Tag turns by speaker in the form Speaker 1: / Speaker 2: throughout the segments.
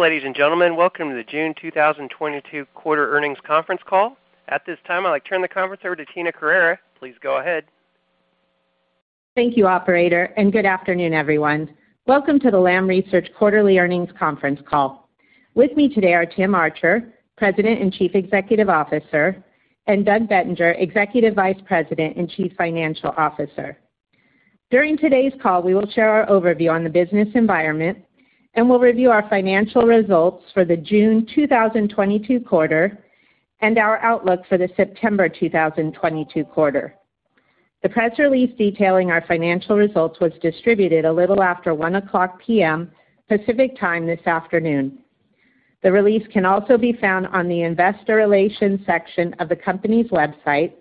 Speaker 1: Ladies and gentlemen, welcome to the June 2022 quarter earnings conference call. At this time, I'd like to turn the conference over to Tina Correia. Please go ahead.
Speaker 2: Thank you, operator, and good afternoon, everyone. Welcome to the Lam Research quarterly earnings conference call. With me today are Tim Archer, President and Chief Executive Officer, and Doug Bettinger, Executive Vice President and Chief Financial Officer. During today's call, we will share our overview on the business environment, and we'll review our financial results for the June 2022 quarter and our outlook for the September 2022 quarter. The press release detailing our financial results was distributed a little after 1:00PM Pacific Time this afternoon. The release can also be found on the investor relations section of the company's website,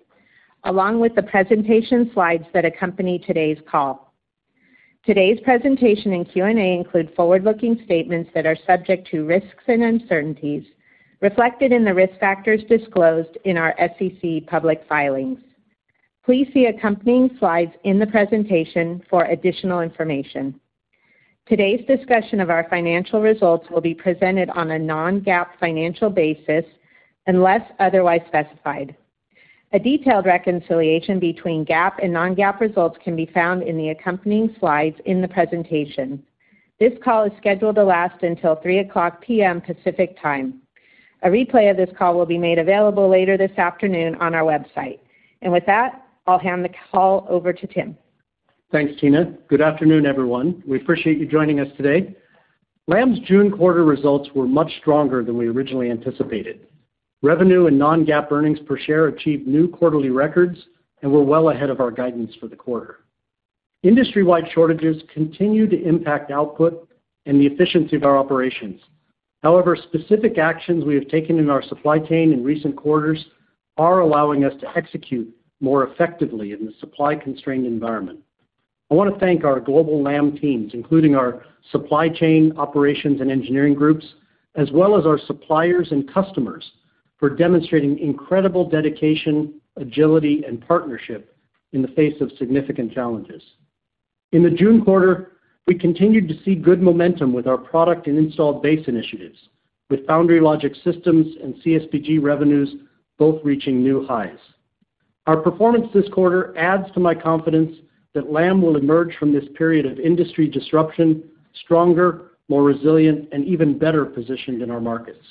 Speaker 2: along with the presentation slides that accompany today's call. Today's presentation and Q and A include forward-looking statements that are subject to risks and uncertainties reflected in the risk factors disclosed in our SEC public filings. Please see accompanying slides in the presentation for additional information. Today's discussion of our financial results will be presented on a non-GAAP financial basis, unless otherwise specified. A detailed reconciliation between GAAP and non-GAAP results can be found in the accompanying slides in the presentation. This call is scheduled to last until 3:00PM Pacific Time. A replay of this call will be made available later this afternoon on our website. With that, I'll hand the call over to Tim.
Speaker 3: Thanks, Tina. Good afternoon, everyone. We appreciate you joining us today. Lam's June quarter results were much stronger than we originally anticipated. Revenue and non-GAAP earnings per share achieved new quarterly records, and we're well ahead of our guidance for the quarter. Industry-wide shortages continue to impact output and the efficiency of our operations. However, specific actions we have taken in our supply chain in recent quarters are allowing us to execute more effectively in the supply-constrained environment. I want to thank our global Lam teams, including our supply chain operations and engineering groups, as well as our suppliers and customers for demonstrating incredible dedication, agility, and partnership in the face of significant challenges. In the June quarter, we continued to see good momentum with our product and installed base initiatives, with Foundry logic systems and CSBG revenues both reaching new highs. Our performance this quarter adds to my confidence that Lam will emerge from this period of industry disruption stronger, more resilient, and even better positioned in our markets.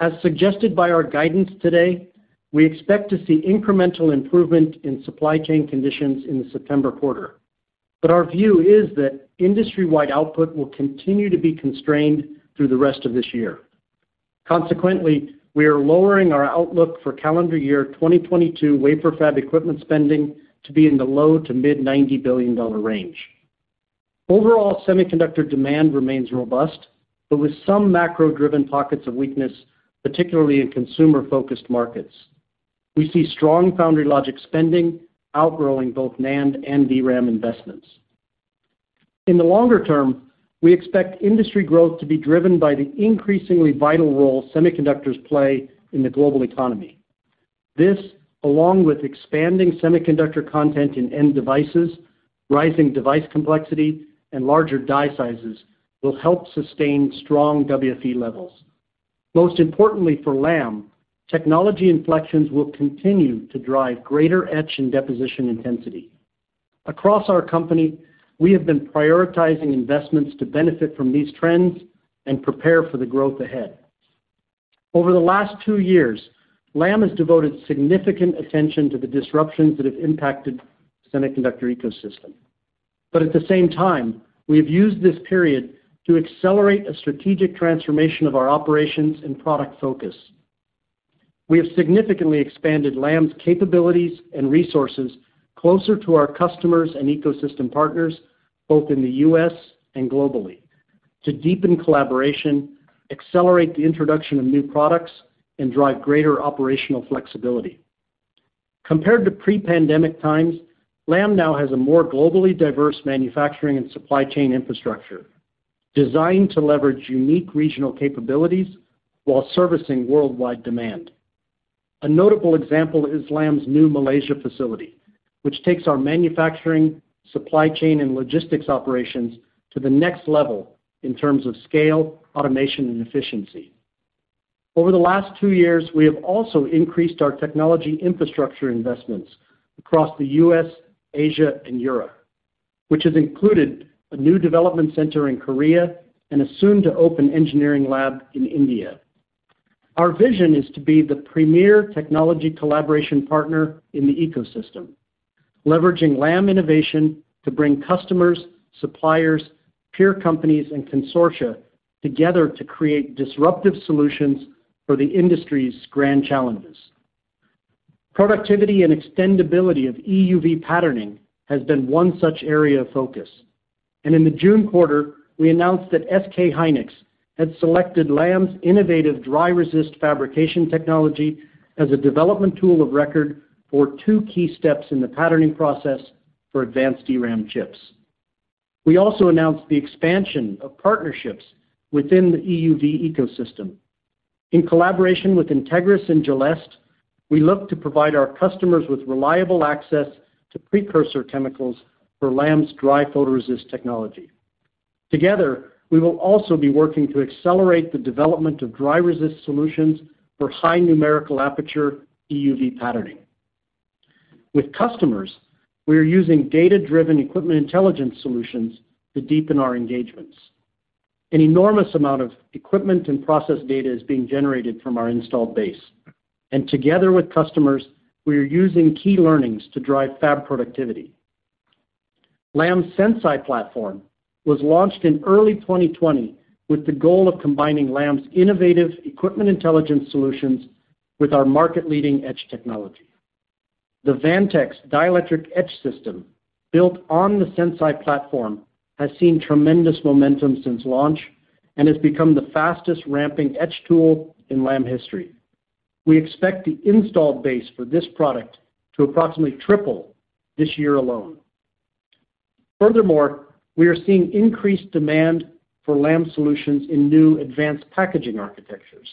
Speaker 3: As suggested by our guidance today, we expect to see incremental improvement in supply chain conditions in the September quarter. Our view is that industry-wide output will continue to be constrained through the rest of this year. Consequently, we are lowering our outlook for calendar year 2022 wafer fab equipment spending to be in the low to mid-$90 billion range. Overall, semiconductor demand remains robust, but with some macro-driven pockets of weakness, particularly in consumer-focused markets. We see strong foundry logic spending outgrowing both NAND and DRAM investments. In the longer term, we expect industry growth to be driven by the increasingly vital role semiconductors play in the global economy. This, along with expanding semiconductor content in end devices, rising device complexity, and larger die sizes, will help sustain strong WFE levels. Most importantly for Lam, technology inflections will continue to drive greater etch and deposition intensity. Across our company, we have been prioritizing investments to benefit from these trends and prepare for the growth ahead. Over the last two years, Lam has devoted significant attention to the disruptions that have impacted semiconductor ecosystem. At the same time, we have used this period to accelerate a strategic transformation of our operations and product focus. We have significantly expanded Lam's capabilities and resources closer to our customers and ecosystem partners, both in the U.S. and globally, to deepen collaboration, accelerate the introduction of new products, and drive greater operational flexibility. Compared to pre-pandemic times, Lam now has a more globally diverse manufacturing and supply chain infrastructure designed to leverage unique regional capabilities while servicing worldwide demand. A notable example is Lam's new Malaysia facility, which takes our manufacturing, supply chain, and logistics operations to the next level in terms of scale, automation, and efficiency. Over the last two years, we have also increased our technology infrastructure investments across the U.S., Asia, and Europe, which has included a new development center in Korea and a soon-to-open engineering lab in India. Our vision is to be the premier technology collaboration partner in the ecosystem, leveraging Lam innovation to bring customers, suppliers, peer companies, and consortia together to create disruptive solutions for the industry's grand challenges. Productivity and extendability of EUV patterning has been one such area of focus. In the June quarter, we announced that SK hynix had selected Lam's innovative dry resist fabrication technology as a development tool of record for two key steps in the patterning process for advanced DRAM chips. We also announced the expansion of partnerships within the EUV ecosystem. In collaboration with Entegris and Gelest, we look to provide our customers with reliable access to precursor chemicals for Lam's dry photoresist technology. Together, we will also be working to accelerate the development of dry resist solutions for high numerical aperture EUV patterning. With customers, we are using data-driven Equipment Intelligence solutions to deepen our engagements. An enormous amount of equipment and process data is being generated from our installed base, and together with customers, we are using key learnings to drive fab productivity. Lam's Sense.i platform was launched in early 2020 with the goal of combining Lam's innovative equipment intelligence solutions with our market-leading etch technology. The Vantex dielectric etch system built on the Sense.i platform has seen tremendous momentum since launch and has become the fastest ramping etch tool in Lam history. We expect the installed base for this product to approximately triple this year alone. Furthermore, we are seeing increased demand for Lam solutions in new advanced packaging architectures.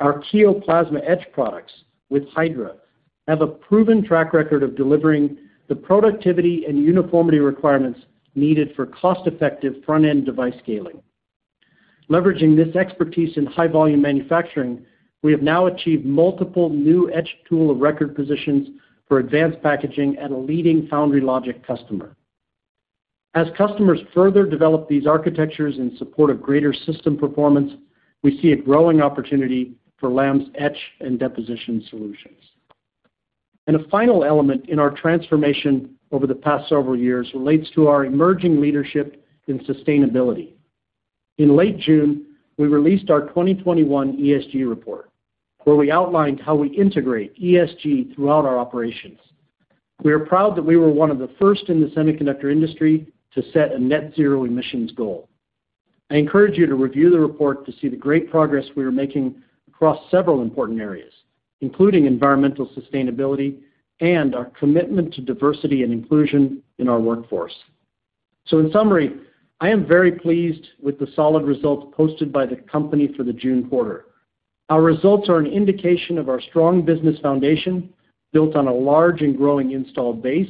Speaker 3: Our Kiyo plasma etch products with Hydra have a proven track record of delivering the productivity and uniformity requirements needed for cost-effective front-end device scaling. Leveraging this expertise in high-volume manufacturing, we have now achieved multiple new etch tool of record positions for advanced packaging at a leading foundry logic customer. As customers further develop these architectures in support of greater system performance, we see a growing opportunity for Lam's etch and deposition solutions. A final element in our transformation over the past several years relates to our emerging leadership in sustainability. In late June, we released our 2021 ESG report, where we outlined how we integrate ESG throughout our operations. We are proud that we were one of the first in the semiconductor industry to set a net zero emissions goal. I encourage you to review the report to see the great progress we are making across several important areas, including environmental sustainability and our commitment to diversity and inclusion in our workforce. In summary, I am very pleased with the solid results posted by the company for the June quarter. Our results are an indication of our strong business foundation built on a large and growing installed base,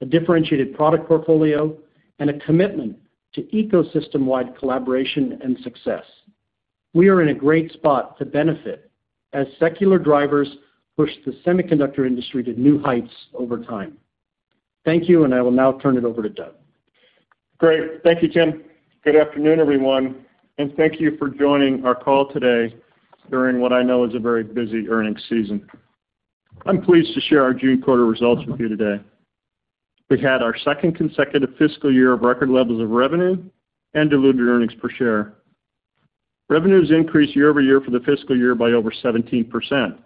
Speaker 3: a differentiated product portfolio, and a commitment to ecosystem-wide collaboration and success. We are in a great spot to benefit as secular drivers push the semiconductor industry to new heights over time. Thank you, and I will now turn it over to Doug.
Speaker 4: Great. Thank you, Tim. Good afternoon, everyone, and thank you for joining our call today during what I know is a very busy earnings season. I'm pleased to share our June quarter results with you today. We had our second consecutive fiscal year of record levels of revenue and diluted earnings per share. Revenues increased year over year for the fiscal year by over 17%,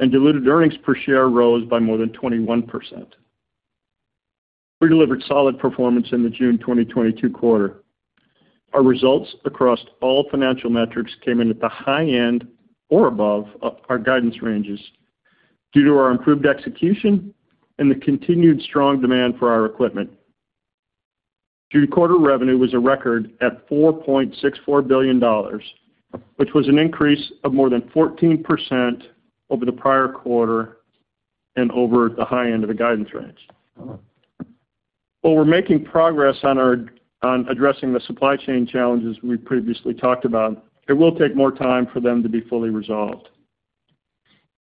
Speaker 4: and diluted earnings per share rose by more than 21%. We delivered solid performance in the June 2022 quarter. Our results across all financial metrics came in at the high end or above our guidance ranges due to our improved execution and the continued strong demand for our equipment. June quarter revenue was a record at $4.64 billion, which was an increase of more than 14% over the prior quarter and over the high end of the guidance range. While we're making progress on addressing the supply chain challenges we previously talked about, it will take more time for them to be fully resolved.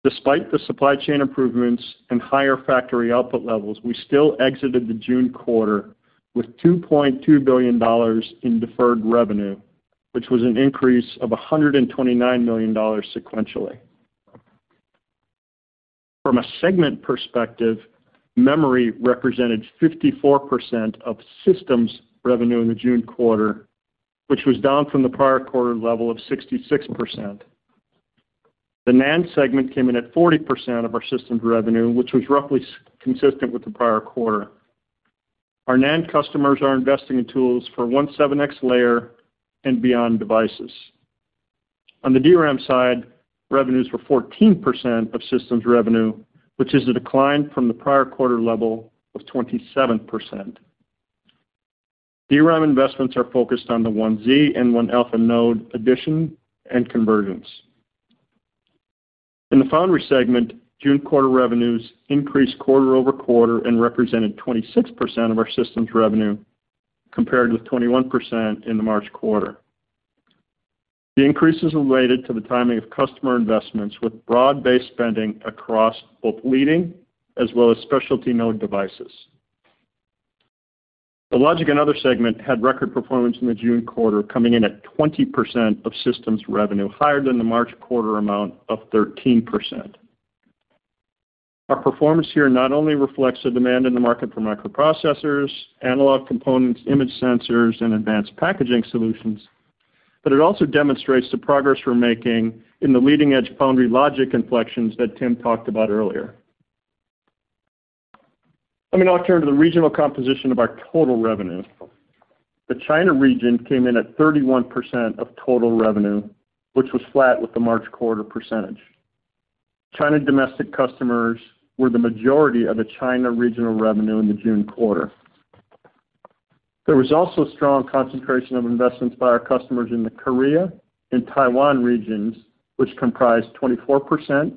Speaker 4: Despite the supply chain improvements and higher factory output levels, we still exited the June quarter with $2.2 billion in deferred revenue, which was an increase of $129 million sequentially. From a segment perspective, memory represented 54% of systems revenue in the June quarter, which was down from the prior quarter level of 66%. The NAND segment came in at 40% of our systems revenue, which was roughly consistent with the prior quarter. Our NAND customers are investing in tools for 17x-layer and beyond devices. On the DRAM side, revenues were 14% of systems revenue, which is a decline from the prior quarter level of 27%. DRAM investments are focused on the 1Z and 1-alpha node addition and convergence. In the foundry segment, June quarter revenues increased quarter-over-quarter and represented 26% of our systems revenue, compared with 21% in the March quarter. The increase is related to the timing of customer investments with broad-based spending across both leading as well as specialty node devices. The logic and other segment had record performance in the June quarter, coming in at 20% of systems revenue, higher than the March quarter amount of 13%. Our performance here not only reflects the demand in the market for microprocessors, analog components, image sensors, and advanced packaging solutions, but it also demonstrates the progress we're making in the leading-edge foundry logic inflections that Tim talked about earlier. Let me now turn to the regional composition of our total revenue. The China region came in at 31% of total revenue, which was flat with the March quarter percentage. China domestic customers were the majority of the China regional revenue in the June quarter. There was also a strong concentration of investments by our customers in the Korea and Taiwan regions, which comprised 24%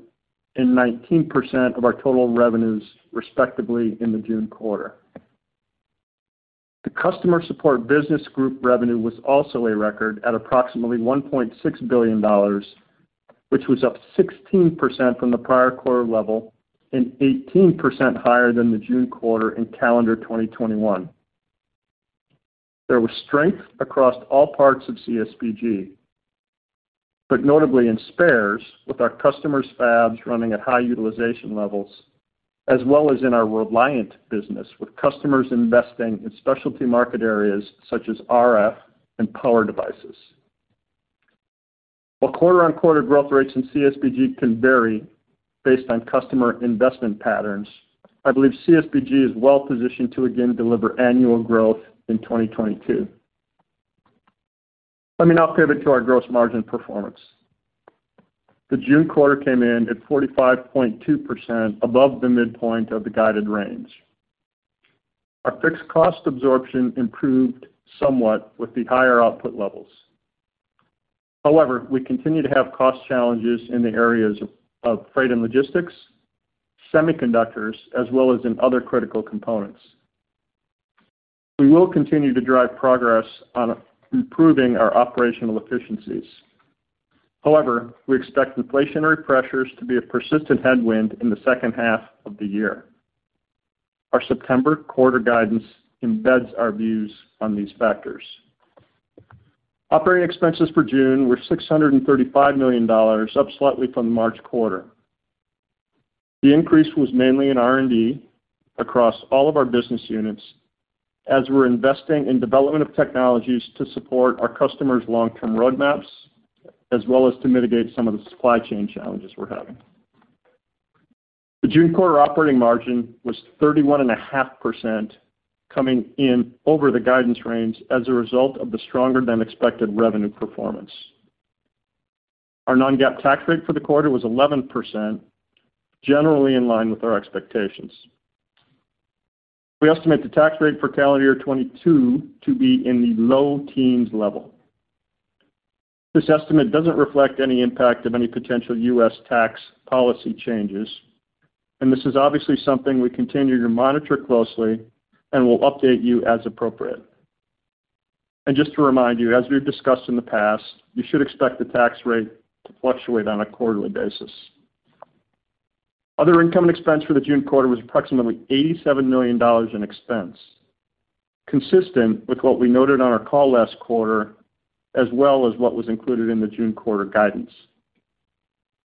Speaker 4: and 19% of our total revenues, respectively, in the June quarter. The customer support business group revenue was also a record at approximately $1.6 billion, which was up 16% from the prior quarter level and 18% higher than the June quarter in calendar 2021. There was strength across all parts of CSBG, but notably in spares with our customers fabs running at high utilization levels, as well as in our Reliant business, with customers investing in specialty market areas such as RF and power devices. While quarter-on-quarter growth rates in CSBG can vary based on customer investment patterns, I believe CSBG is well positioned to again deliver annual growth in 2022. Let me now pivot to our gross margin performance. The June quarter came in at 45.2% above the midpoint of the guided range. Our fixed cost absorption improved somewhat with the higher output levels. However, we continue to have cost challenges in the areas of freight and logistics, semiconductors, as well as in other critical components. We will continue to drive progress on improving our operational efficiencies. However, we expect inflationary pressures to be a persistent headwind in the second half of the year. Our September quarter guidance embeds our views on these factors. Operating expenses for June were $635 million, up slightly from the March quarter. The increase was mainly in R&D across all of our business units, as we're investing in development of technologies to support our customers' long-term roadmaps, as well as to mitigate some of the supply chain challenges we're having. The June quarter operating margin was 31.5%, coming in over the guidance range as a result of the stronger than expected revenue performance. Our non-GAAP tax rate for the quarter was 11%, generally in line with our expectations. We estimate the tax rate for calendar 2022 to be in the low teens level. This estimate doesn't reflect any impact of any potential U.S. tax policy changes, and this is obviously something we continue to monitor closely and will update you as appropriate. Just to remind you, as we've discussed in the past, you should expect the tax rate to fluctuate on a quarterly basis. Other income and expense for the June quarter was approximately $87 million in expense. Consistent with what we noted on our call last quarter, as well as what was included in the June quarter guidance.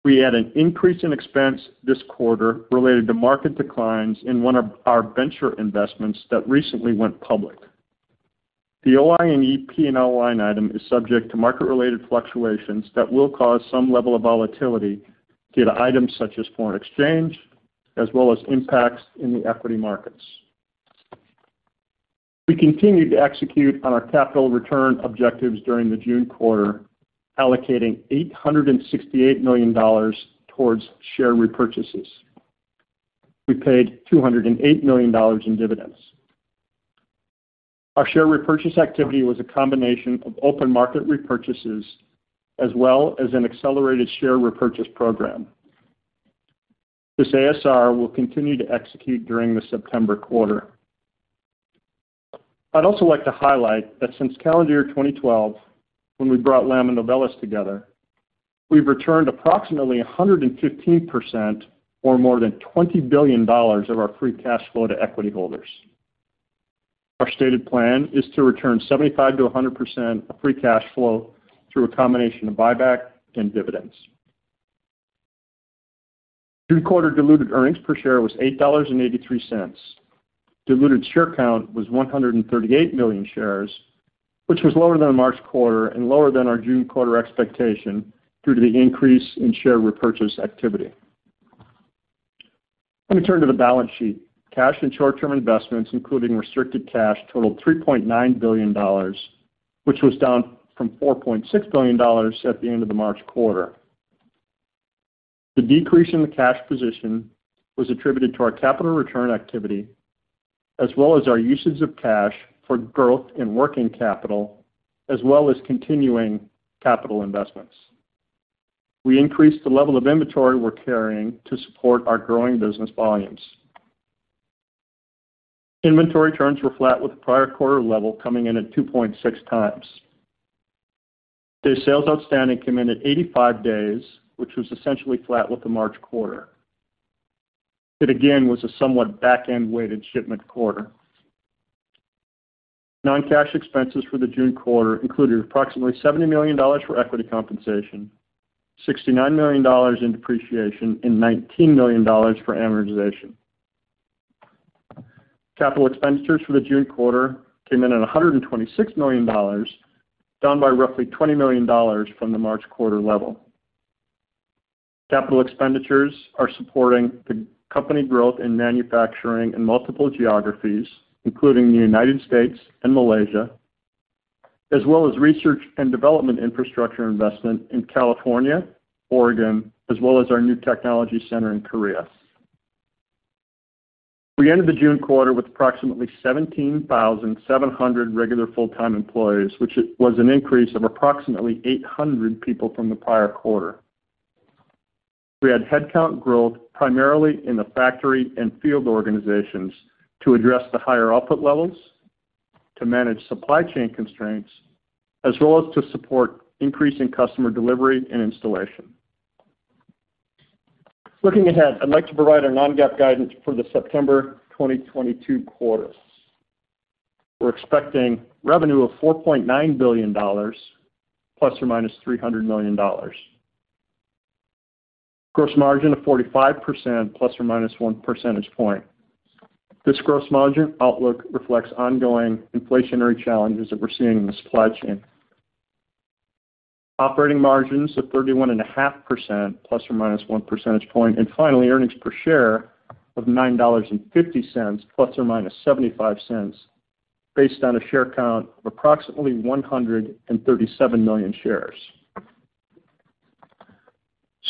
Speaker 4: We had an increase in expense this quarter related to market declines in one of our venture investments that recently went public. The OI&E line item is subject to market-related fluctuations that will cause some level of volatility due to items such as foreign exchange as well as impacts in the equity markets. We continued to execute on our capital return objectives during the June quarter, allocating $868 million towards share repurchases. We paid $208 million in dividends. Our share repurchase activity was a combination of open market repurchases as well as an accelerated share repurchase program. This ASR will continue to execute during the September quarter. I'd also like to highlight that since calendar year 2012, when we brought Lam and Novellus together, we've returned approximately 115% or more than $20 billion of our free cash flow to equity holders. Our stated plan is to return 75%-100% of free cash flow through a combination of buyback and dividends. June quarter diluted earnings per share was $8.83. Diluted share count was 138 million shares, which was lower than the March quarter and lower than our June quarter expectation due to the increase in share repurchase activity. Let me turn to the balance sheet. Cash and short-term investments, including restricted cash, totaled $3.9 billion, which was down from $4.6 billion at the end of the March quarter. The decrease in the cash position was attributed to our capital return activity as well as our usage of cash for growth in working capital as well as continuing capital investments. We increased the level of inventory we're carrying to support our growing business volumes. Inventory turns were flat with the prior quarter level coming in at 2.6 times. Days sales outstanding came in at 85 days, which was essentially flat with the March quarter. It again was a somewhat back-end-weighted shipment quarter. Non-cash expenses for the June quarter included approximately $70 million for equity compensation, $69 million in depreciation, and $19 million for amortization. Capital expenditures for the June quarter came in at $126 million, down by roughly $20 million from the March quarter level. Capital expenditures are supporting the company growth in manufacturing in multiple geographies, including the United States and Malaysia, as well as research and development infrastructure investment in California, Oregon, as well as our new technology center in Korea. We ended the June quarter with approximately 17,700 regular full-time employees, which was an increase of approximately 800 people from the prior quarter. We had headcount growth primarily in the factory and field organizations to address the higher output levels, to manage supply chain constraints, as well as to support increasing customer delivery and installation. Looking ahead, I'd like to provide our non-GAAP guidance for the September 2022 quarter. We're expecting revenue of $4.9 billion ± $300 million. Gross margin of 45% ± 1 percentage point. This gross margin outlook reflects ongoing inflationary challenges that we're seeing in the supply chain. Operating margins of 31.5% ± 1 percentage point. Finally, earnings per share of $9.50 ±$0.75 based on a share count of approximately 137 million shares.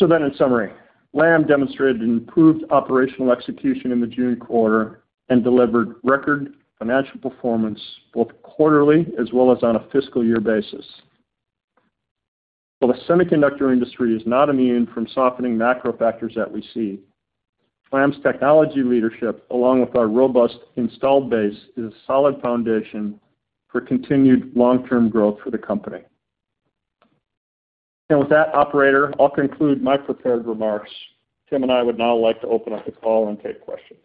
Speaker 4: In summary, Lam demonstrated an improved operational execution in the June quarter and delivered record financial performance both quarterly as well as on a fiscal year basis. While the semiconductor industry is not immune from softening macro factors that we see, Lam's technology leadership, along with our robust installed base, is a solid foundation for continued long-term growth for the company. With that, operator, I'll conclude my prepared remarks. Tim and I would now like to open up the call and take questions.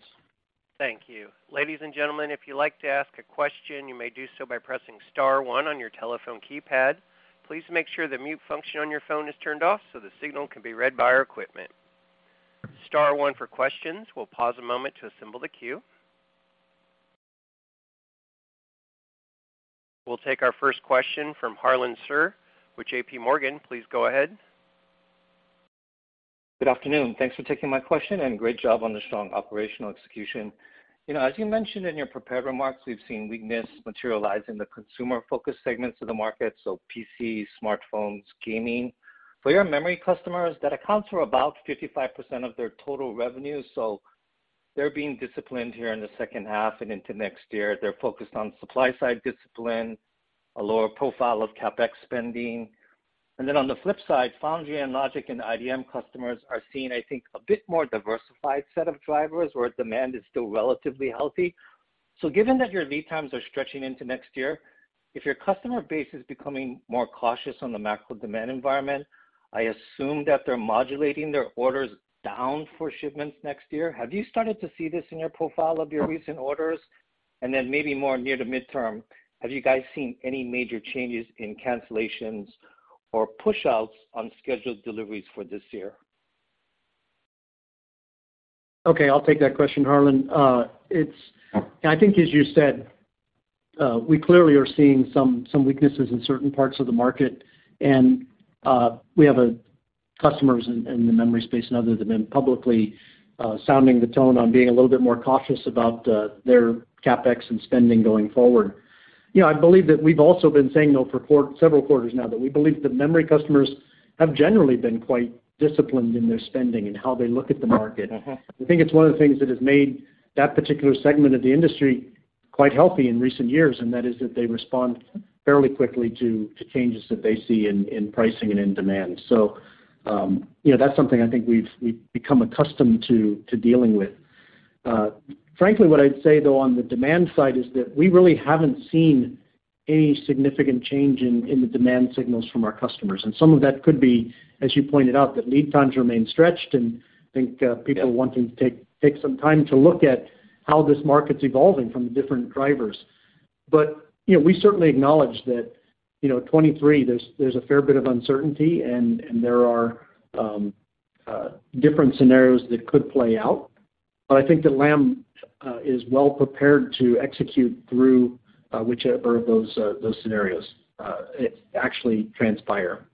Speaker 1: Thank you. Ladies and gentlemen, if you'd like to ask a question, you may do so by pressing star one on your telephone keypad. Please make sure the mute function on your phone is turned off so the signal can be read by our equipment. Star one for questions. We'll pause a moment to assemble the queue. We'll take our first question from Harlan Sur with JP Morgan. Please go ahead.
Speaker 5: Good afternoon. Thanks for taking my question, and great job on the strong operational execution. You know, as you mentioned in your prepared remarks, we've seen weakness materialize in the consumer-focused segments of the market, so PC, smartphones, gaming. For your memory customers, that accounts for about 55% of their total revenue. They're being disciplined here in the second half and into next year. They're focused on supply-side discipline, a lower profile of CapEx spending. On the flip side, foundry and logic and IDM customers are seeing, I think, a bit more diversified set of drivers where demand is still relatively healthy. Given that your lead times are stretching into next year, if your customer base is becoming more cautious on the macro demand environment, I assume that they're modulating their orders down for shipments next year. Have you started to see this in your profile of your recent orders? Maybe more near to midterm, have you guys seen any major changes in cancellations or pushouts on scheduled deliveries for this year?
Speaker 3: Okay, I'll take that question, Harlan. I think as you said, we clearly are seeing some weaknesses in certain parts of the market, and we have customers in the memory space and others have been publicly sounding the tone on being a little bit more cautious about their CapEx and spending going forward. You know, I believe that we've also been saying though for several quarters now that we believe the memory customers have generally been quite disciplined in their spending and how they look at the market.
Speaker 5: Mm-hmm.
Speaker 3: I think it's one of the things that has made that particular segment of the industry quite healthy in recent years, and that is that they respond fairly quickly to changes that they see in pricing and in demand. So, you know, that's something I think we've become accustomed to dealing with. Frankly, what I'd say though on the demand side is that we really haven't seen any significant change in the demand signals from our customers. Some of that could be, as you pointed out, that lead times remain stretched, and I think people wanting to take some time to look at how this market's evolving from different drivers. You know, we certainly acknowledge that, 2023, there's a fair bit of uncertainty and there are different scenarios that could play out. I think that Lam is well prepared to execute through whichever of those scenarios actually transpire.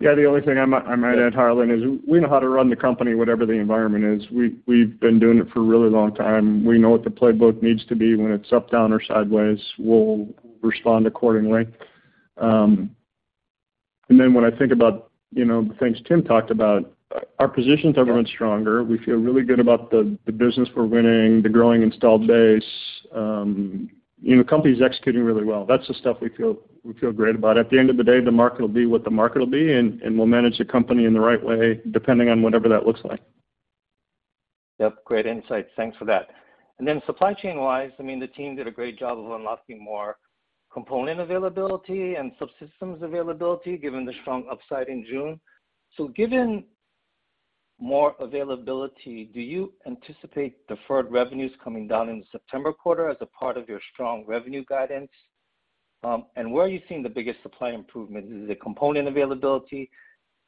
Speaker 4: Yeah. The only thing I might add, Harlan, is we know how to run the company whatever the environment is. We've been doing it for a really long time. We know what the playbook needs to be when it's up, down, or sideways. We'll respond accordingly. When I think about, you know, the things Tim talked about, our positions are growing stronger. We feel really good about the business we're winning, the growing installed base. You know, the company's executing really well. That's the stuff we feel great about. At the end of the day, the market will be what the market will be, and we'll manage the company in the right way, depending on whatever that looks like.
Speaker 5: Yep. Great insight. Thanks for that. Then supply chain-wise, I mean, the team did a great job of unlocking more component availability and subsystems availability given the strong upside in June. Given more availability, do you anticipate deferred revenues coming down in the September quarter as a part of your strong revenue guidance? Where are you seeing the biggest supply improvement? Is it the component availability?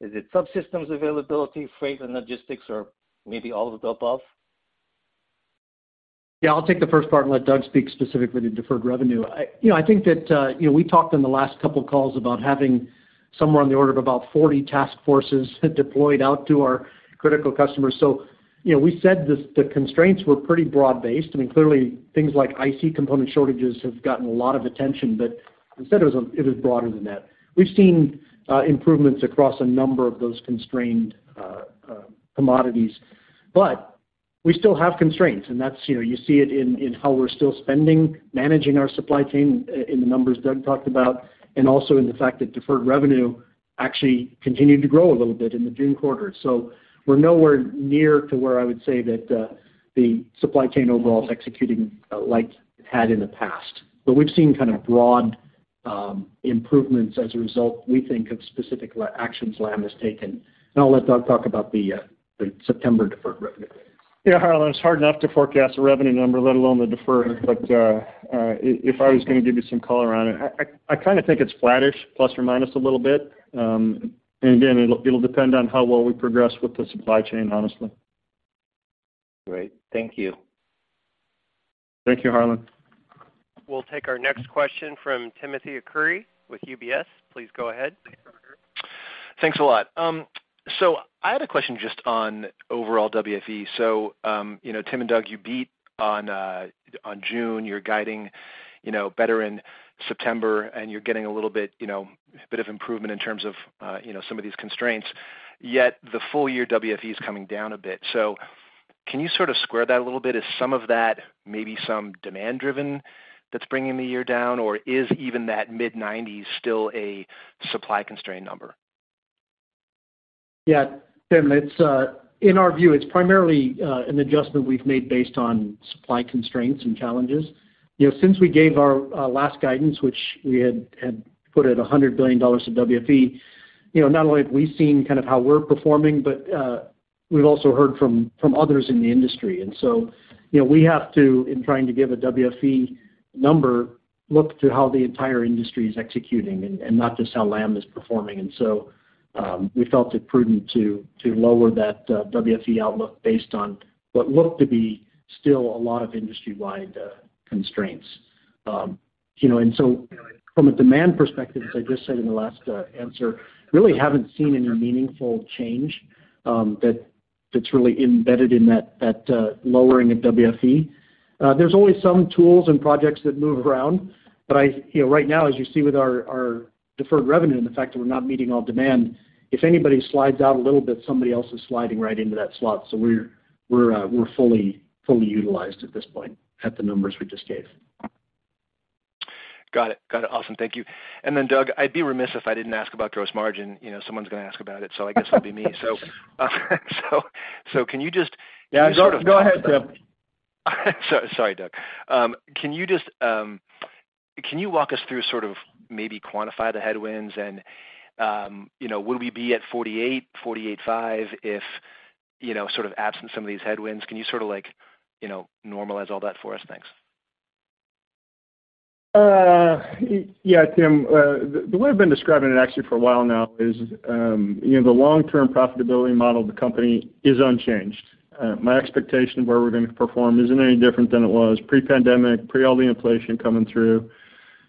Speaker 5: Is it subsystems availability, freight and logistics, or maybe all of the above?
Speaker 3: Yeah, I'll take the first part and let Doug speak specifically to deferred revenue. I think that, you know, we talked on the last couple of calls about having somewhere on the order of about 40 task forces deployed out to our critical customers. You know, we said the constraints were pretty broad-based. I mean, clearly, things like IC component shortages have gotten a lot of attention, but it was broader than that. We've seen improvements across a number of those constrained commodities. But we still have constraints, and that's, you know, you see it in how we're still spending, managing our supply chain in the numbers Doug talked about, and also in the fact that deferred revenue actually continued to grow a little bit in the June quarter. We're nowhere near to where I would say that the supply chain overall is executing like it had in the past. We've seen kind of broad improvements as a result, we think, of specific actions Lam has taken. I'll let Doug talk about the September deferred revenue.
Speaker 4: Yeah, Harlan, it's hard enough to forecast a revenue number, let alone the deferred. If I was gonna give you some color on it, I kind of think it's flattish, plus or minus a little bit. Again, it'll depend on how well we progress with the supply chain, honestly.
Speaker 5: Great. Thank you.
Speaker 4: Thank you, Harlan.
Speaker 1: We'll take our next question from Timothy Arcuri with UBS. Please go ahead.
Speaker 6: Thanks, operator. Thanks a lot. I had a question just on overall WFE. You know, Tim and Doug, you beat on June. You're guiding better in September, and you're getting a little bit, you know, a bit of improvement in terms of some of these constraints, yet the full year WFE is coming down a bit. Can you sort of square that a little bit? Is some of that maybe some demand-driven that's bringing the year down, or is even that mid-nineties still a supply constraint number?
Speaker 3: Yeah. Tim, it's in our view, it's primarily an adjustment we've made based on supply constraints and challenges. You know, since we gave our last guidance, which we had put at $100 billion of WFE, you know, not only have we seen kind of how we're performing, but we've also heard from others in the industry. You know, we have to, in trying to give a WFE number, look to how the entire industry is executing and not just how Lam is performing. We felt it prudent to lower that WFE outlook based on what looked to be still a lot of industry-wide constraints. You know, from a demand perspective, as I just said in the last answer, really haven't seen any meaningful change, that that's really embedded in that lowering of WFE. There's always some tools and projects that move around, but I, you know, right now, as you see with our deferred revenue and the fact that we're not meeting all demand, if anybody slides out a little bit, somebody else is sliding right into that slot. We're fully utilized at this point at the numbers we just gave.
Speaker 6: Got it. Got it. Awesome. Thank you. Doug, I'd be remiss if I didn't ask about gross margin. You know, someone's gonna ask about it, so I guess it'll be me. So can you just-
Speaker 4: Yeah. Go ahead, Tim.
Speaker 6: Sorry, Doug. Can you walk us through, sort of maybe quantify the headwinds and, you know, would we be at $485 if, you know, sort of absent some of these headwinds? Can you sort of like, you know, normalize all that for us? Thanks.
Speaker 4: Yeah, Tim. The way I've been describing it actually for a while now is, you know, the long-term profitability model of the company is unchanged. My expectation of where we're going to perform isn't any different than it was pre-pandemic, pre all the inflation coming through.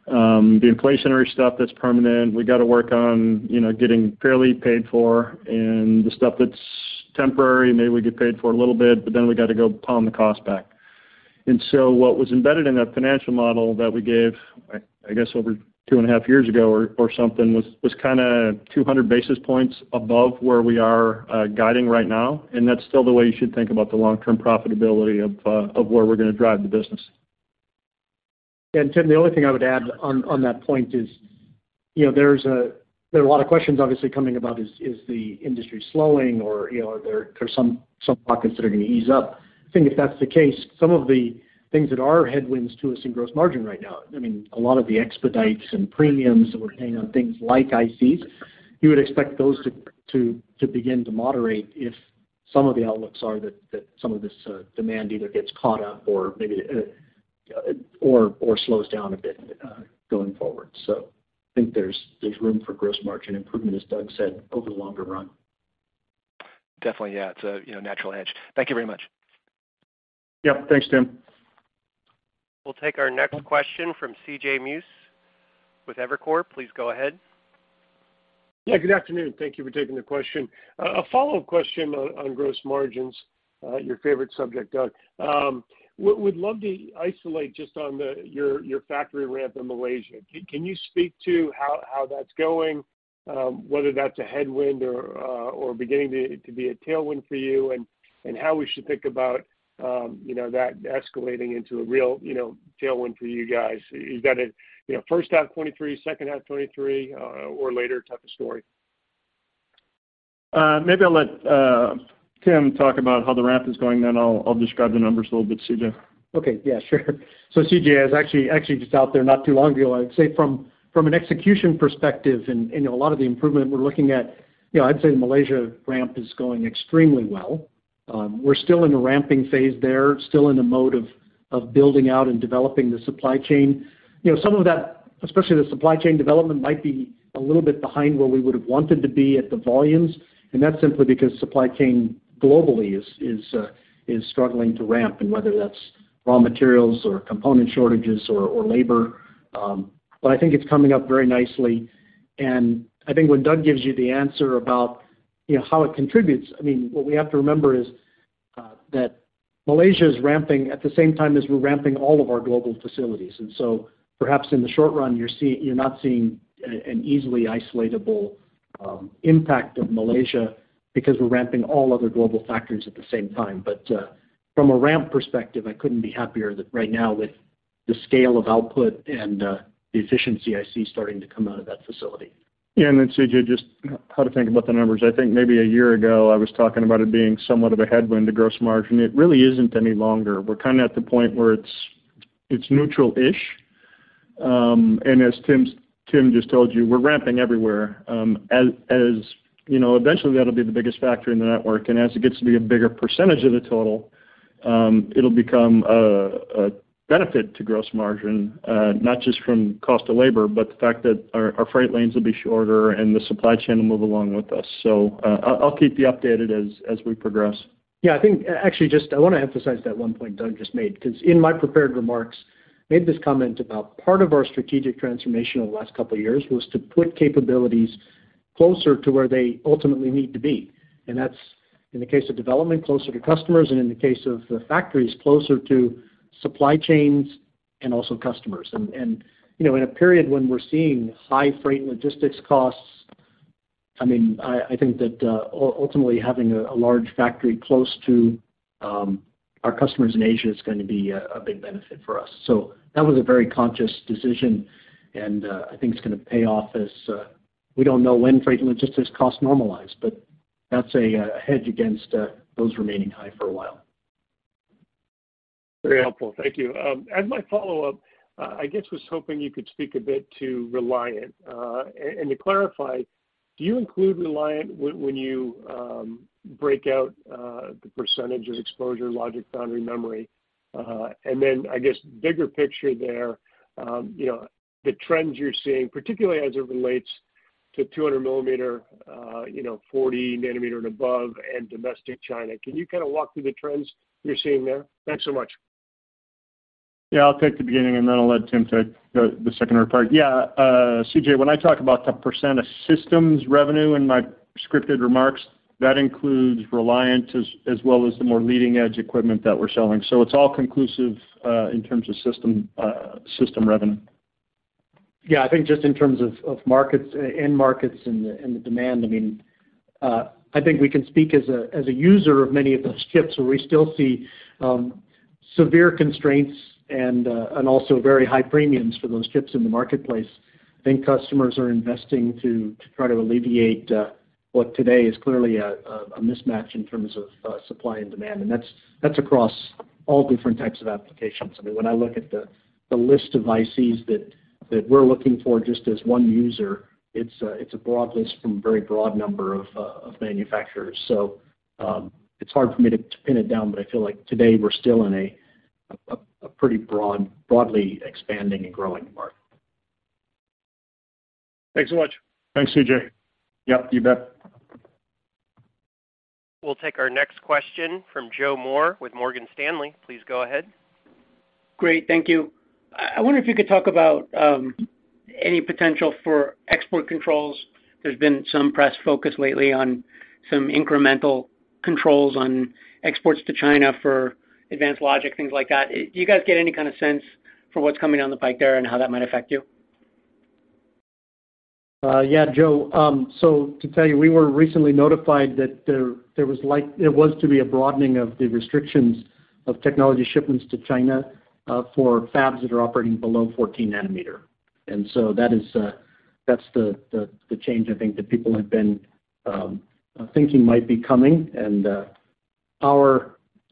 Speaker 4: The inflationary stuff that's permanent, we got to work on, you know, getting fairly paid for, and the stuff that's temporary, maybe we get paid for a little bit, but then we got to go pull the cost back. What was embedded in that financial model that we gave, I guess over two and a half years ago or something, was kind of 200 basis points above where we are guiding right now, and that's still the way you should think about the long-term profitability of where we're gonna drive the business.
Speaker 3: Tim, the only thing I would add on that point is, you know, there are a lot of questions obviously coming about is the industry slowing or, you know, are there some pockets that are gonna ease up? I think if that's the case, some of the things that are headwinds to us in gross margin right now, I mean, a lot of the expedites and premiums that we're paying on things like ICs, you would expect those to begin to moderate if some of the outlooks are that some of this demand either gets caught up or maybe or slows down a bit going forward. I think there's room for gross margin improvement, as Doug said, over the longer run.
Speaker 6: Definitely. Yeah. It's a, you know, natural hedge. Thank you very much.
Speaker 4: Yep. Thanks, Tim.
Speaker 1: We'll take our next question from CJ Muse with Evercore. Please go ahead.
Speaker 7: Yeah, good afternoon. Thank you for taking the question. A follow-up question on gross margins, your favorite subject, Doug. Would love to isolate just on your factory ramp in Malaysia. Can you speak to how that's going, whether that's a headwind or beginning to be a tailwind for you, and how we should think about you know, that escalating into a real you know, tailwind for you guys? Is that a you know, first half 2023, second half 2023, or later type of story?
Speaker 4: Maybe I'll let Tim talk about how the ramp is going, then I'll describe the numbers a little bit, CJ.
Speaker 3: Okay. Yeah, sure. CJ., I was actually just out there not too long ago. I'd say from an execution perspective and, you know, a lot of the improvement we're looking at, you know, I'd say Malaysia ramp is going extremely well. We're still in a ramping phase there, still in a mode of building out and developing the supply chain. You know, some of that, especially the supply chain development, might be a little bit behind where we would have wanted to be at the volumes, and that's simply because supply chain globally is struggling to ramp, and whether that's raw materials or component shortages or labor. I think it's coming up very nicely. I think when Doug gives you the answer about, you know, how it contributes, I mean, what we have to remember is that Malaysia is ramping at the same time as we're ramping all of our global facilities. Perhaps in the short run, you're not seeing an easily isolatable impact of Malaysia because we're ramping all other global factories at the same time. From a ramp perspective, I couldn't be happier right now with the scale of output and the efficiency I see starting to come out of that facility.
Speaker 4: Yeah. Then CJ, just how to think about the numbers. I think maybe a year ago, I was talking about it being somewhat of a headwind to gross margin. It really isn't any longer. We're kind of at the point where it's neutral-ish. As Tim just told you, we're ramping everywhere. As you know, eventually that'll be the biggest factor in the mix. As it gets to be a bigger percentage of the total, it'll become a benefit to gross margin, not just from cost of labor, but the fact that our freight lanes will be shorter and the supply chain will move along with us. I'll keep you updated as we progress.
Speaker 3: Yeah, I think, actually, just I wanna emphasize that one point Doug just made, 'cause in my prepared remarks, made this comment about part of our strategic transformation over the last couple of years was to put capabilities closer to where they ultimately need to be. That's in the case of development, closer to customers, and in the case of the factories, closer to supply chains and also customers. You know, in a period when we're seeing high freight logistics costs, I mean, I think that ultimately having a large factory close to our customers in Asia is gonna be a big benefit for us. That was a very conscious decision, and I think it's gonna pay off as we don't know when freight logistics costs normalize, but that's a hedge against those remaining high for a while.
Speaker 7: Very helpful. Thank you. As my follow-up, I guess was hoping you could speak a bit to Reliant. And to clarify, do you include Reliant when you break out the percentage of exposure logic foundry memory? And then I guess bigger picture there, you know, the trends you're seeing, particularly as it relates to 200 millimeter, you know, 40 nanometer and above and domestic China. Can you kind of walk through the trends you're seeing there? Thanks so much.
Speaker 4: Yeah, I'll take the beginning, and then I'll let Tim take the second part. Yeah, CJ, when I talk about the percent of systems revenue in my scripted remarks, that includes Reliant as well as the more leading-edge equipment that we're selling. It's all inclusive in terms of system revenue.
Speaker 3: Yeah. I think just in terms of end markets and the demand, I mean, I think we can speak as a user of many of those chips, where we still see severe constraints and also very high premiums for those chips in the marketplace. I think customers are investing to try to alleviate what today is clearly a mismatch in terms of supply and demand. That's across all different types of applications. I mean, when I look at the list of ICs that we're looking for just as one user, it's a broad list from a very broad number of manufacturers. It's hard for me to pin it down, but I feel like today we're still in a pretty broadly expanding and growing market.
Speaker 7: Thanks so much.
Speaker 4: Thanks, CJ.
Speaker 3: Yep, you bet.
Speaker 1: We'll take our next question from Joe Moore with Morgan Stanley. Please go ahead.
Speaker 8: Great. Thank you. I wonder if you could talk about any potential for export controls. There's been some press focus lately on some incremental controls on exports to China for advanced logic, things like that. Do you guys get any kind of sense for what's coming down the pike there and how that might affect you?
Speaker 3: Yeah, Joe. So to tell you, we were recently notified that there was to be a broadening of the restrictions of technology shipments to China, for fabs that are operating below 14 nanometer. That is the change I think that people have been thinking might be coming. You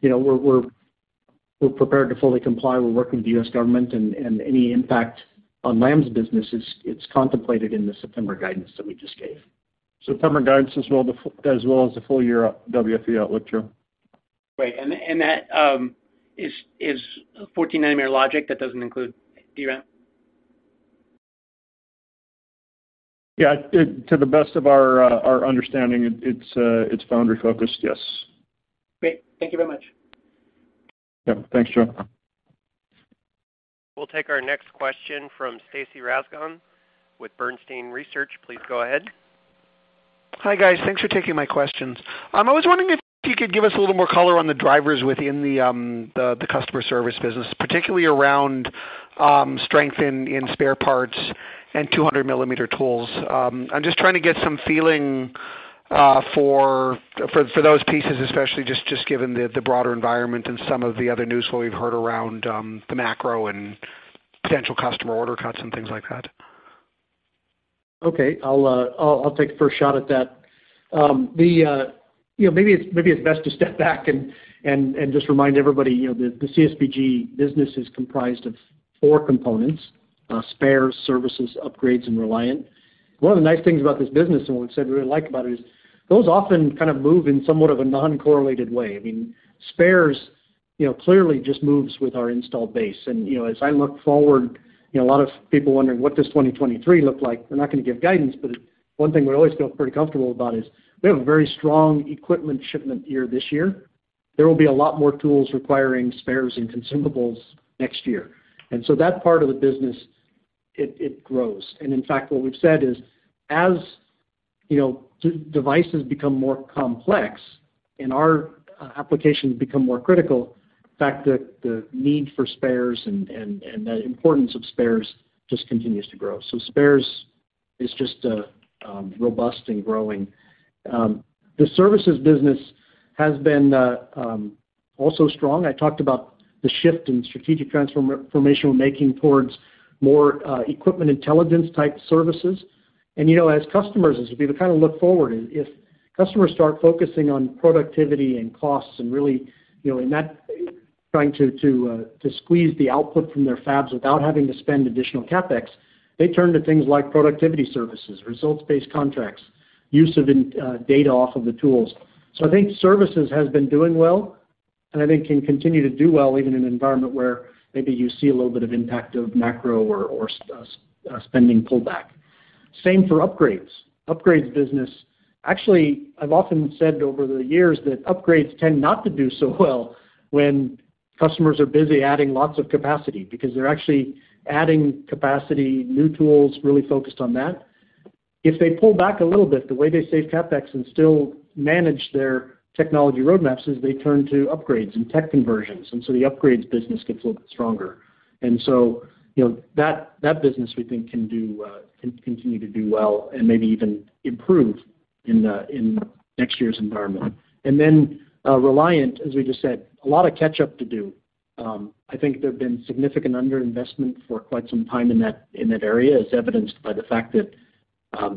Speaker 3: know, we're prepared to fully comply. We're working with the U.S. government and any impact on Lam's business is contemplated in the September guidance that we just gave.
Speaker 4: September guidance as well as the full year WFE outlook, Joe.
Speaker 8: Great. That is 14-nanometer logic that doesn't include DRAM?
Speaker 4: Yeah. To the best of our understanding, it's foundry focused, yes.
Speaker 8: Great. Thank you very much.
Speaker 4: Yeah. Thanks, Joe.
Speaker 1: We'll take our next question from Stacy Rasgon with Bernstein Research. Please go ahead.
Speaker 9: Hi, guys. Thanks for taking my questions. I was wondering if you could give us a little more color on the drivers within the customer service business, particularly around strength in spare parts and 200-millimeter tools. I'm just trying to get some feeling for those pieces, especially given the broader environment and some of the other news flow we've heard around the macro and potential customer order cuts and things like that.
Speaker 3: Okay. I'll take the first shot at that. You know, maybe it's best to step back and just remind everybody, you know, the CSBG business is comprised of four components: spares, services, upgrades, and Reliant. One of the nice things about this business, and we've said we really like about it, is those often kind of move in somewhat of a non-correlated way. I mean, spares, you know, clearly just moves with our installed base. You know, as I look forward, you know, a lot of people wondering what does 2023 look like? We're not gonna give guidance, but one thing we always feel pretty comfortable about is we have a very strong equipment shipment year this year. There will be a lot more tools requiring spares and consumables next year. That part of the business grows. In fact, what we've said is, devices become more complex and our applications become more critical. The need for spares and the importance of spares just continues to grow. Spares is just robust and growing. The services business has been also strong. I talked about the shift in strategic transformation we're making towards more Equipment Intelligence-type services. As we kind of look forward, if customers start focusing on productivity and costs and really not trying to squeeze the output from their fabs without having to spend additional CapEx, they turn to things like productivity services, results-based contracts, use of data off of the tools. I think services has been doing well, and I think can continue to do well even in an environment where maybe you see a little bit of impact of macro or spending pullback. Same for upgrades. Upgrades business, actually, I've often said over the years that upgrades tend not to do so well when customers are busy adding lots of capacity because they're actually adding capacity, new tools, really focused on that. If they pull back a little bit, the way they save CapEx and still manage their technology roadmaps is they turn to upgrades and tech conversions, and so the upgrades business gets a little bit stronger. You know, that business we think can do can continue to do well and maybe even improve in next year's environment. Reliant, as we just said, a lot of catch-up to do. I think there have been significant underinvestment for quite some time in that area, as evidenced by the fact that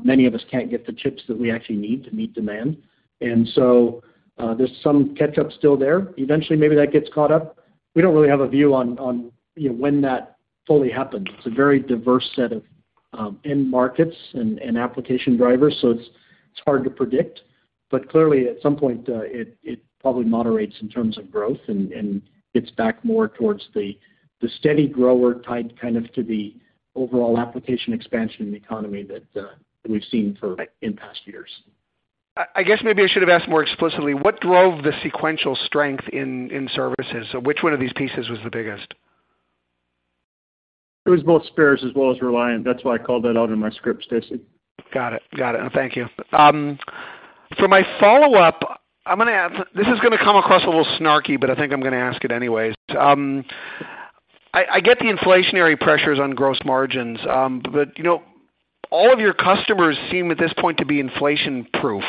Speaker 3: many of us can't get the chips that we actually need to meet demand. There's some catch-up still there. Eventually, maybe that gets caught up. We don't really have a view on, you know, when that fully happens. It's a very diverse set of end markets and application drivers, so it's hard to predict. Clearly, at some point, it probably moderates in terms of growth and gets back more towards the steady grower tied kind of to the overall application expansion in the economy that we've seen in past years.
Speaker 9: I guess maybe I should have asked more explicitly, what drove the sequential strength in services? Which one of these pieces was the biggest?
Speaker 4: It was both spares as well as Reliant. That's why I called that out in my script, Stacy.
Speaker 9: Got it. Thank you. For my follow-up, I'm gonna ask—this is gonna come across a little snarky, but I think I'm gonna ask it anyways. I get the inflationary pressures on gross margins, but, you know, all of your customers seem at this point to be inflation-proof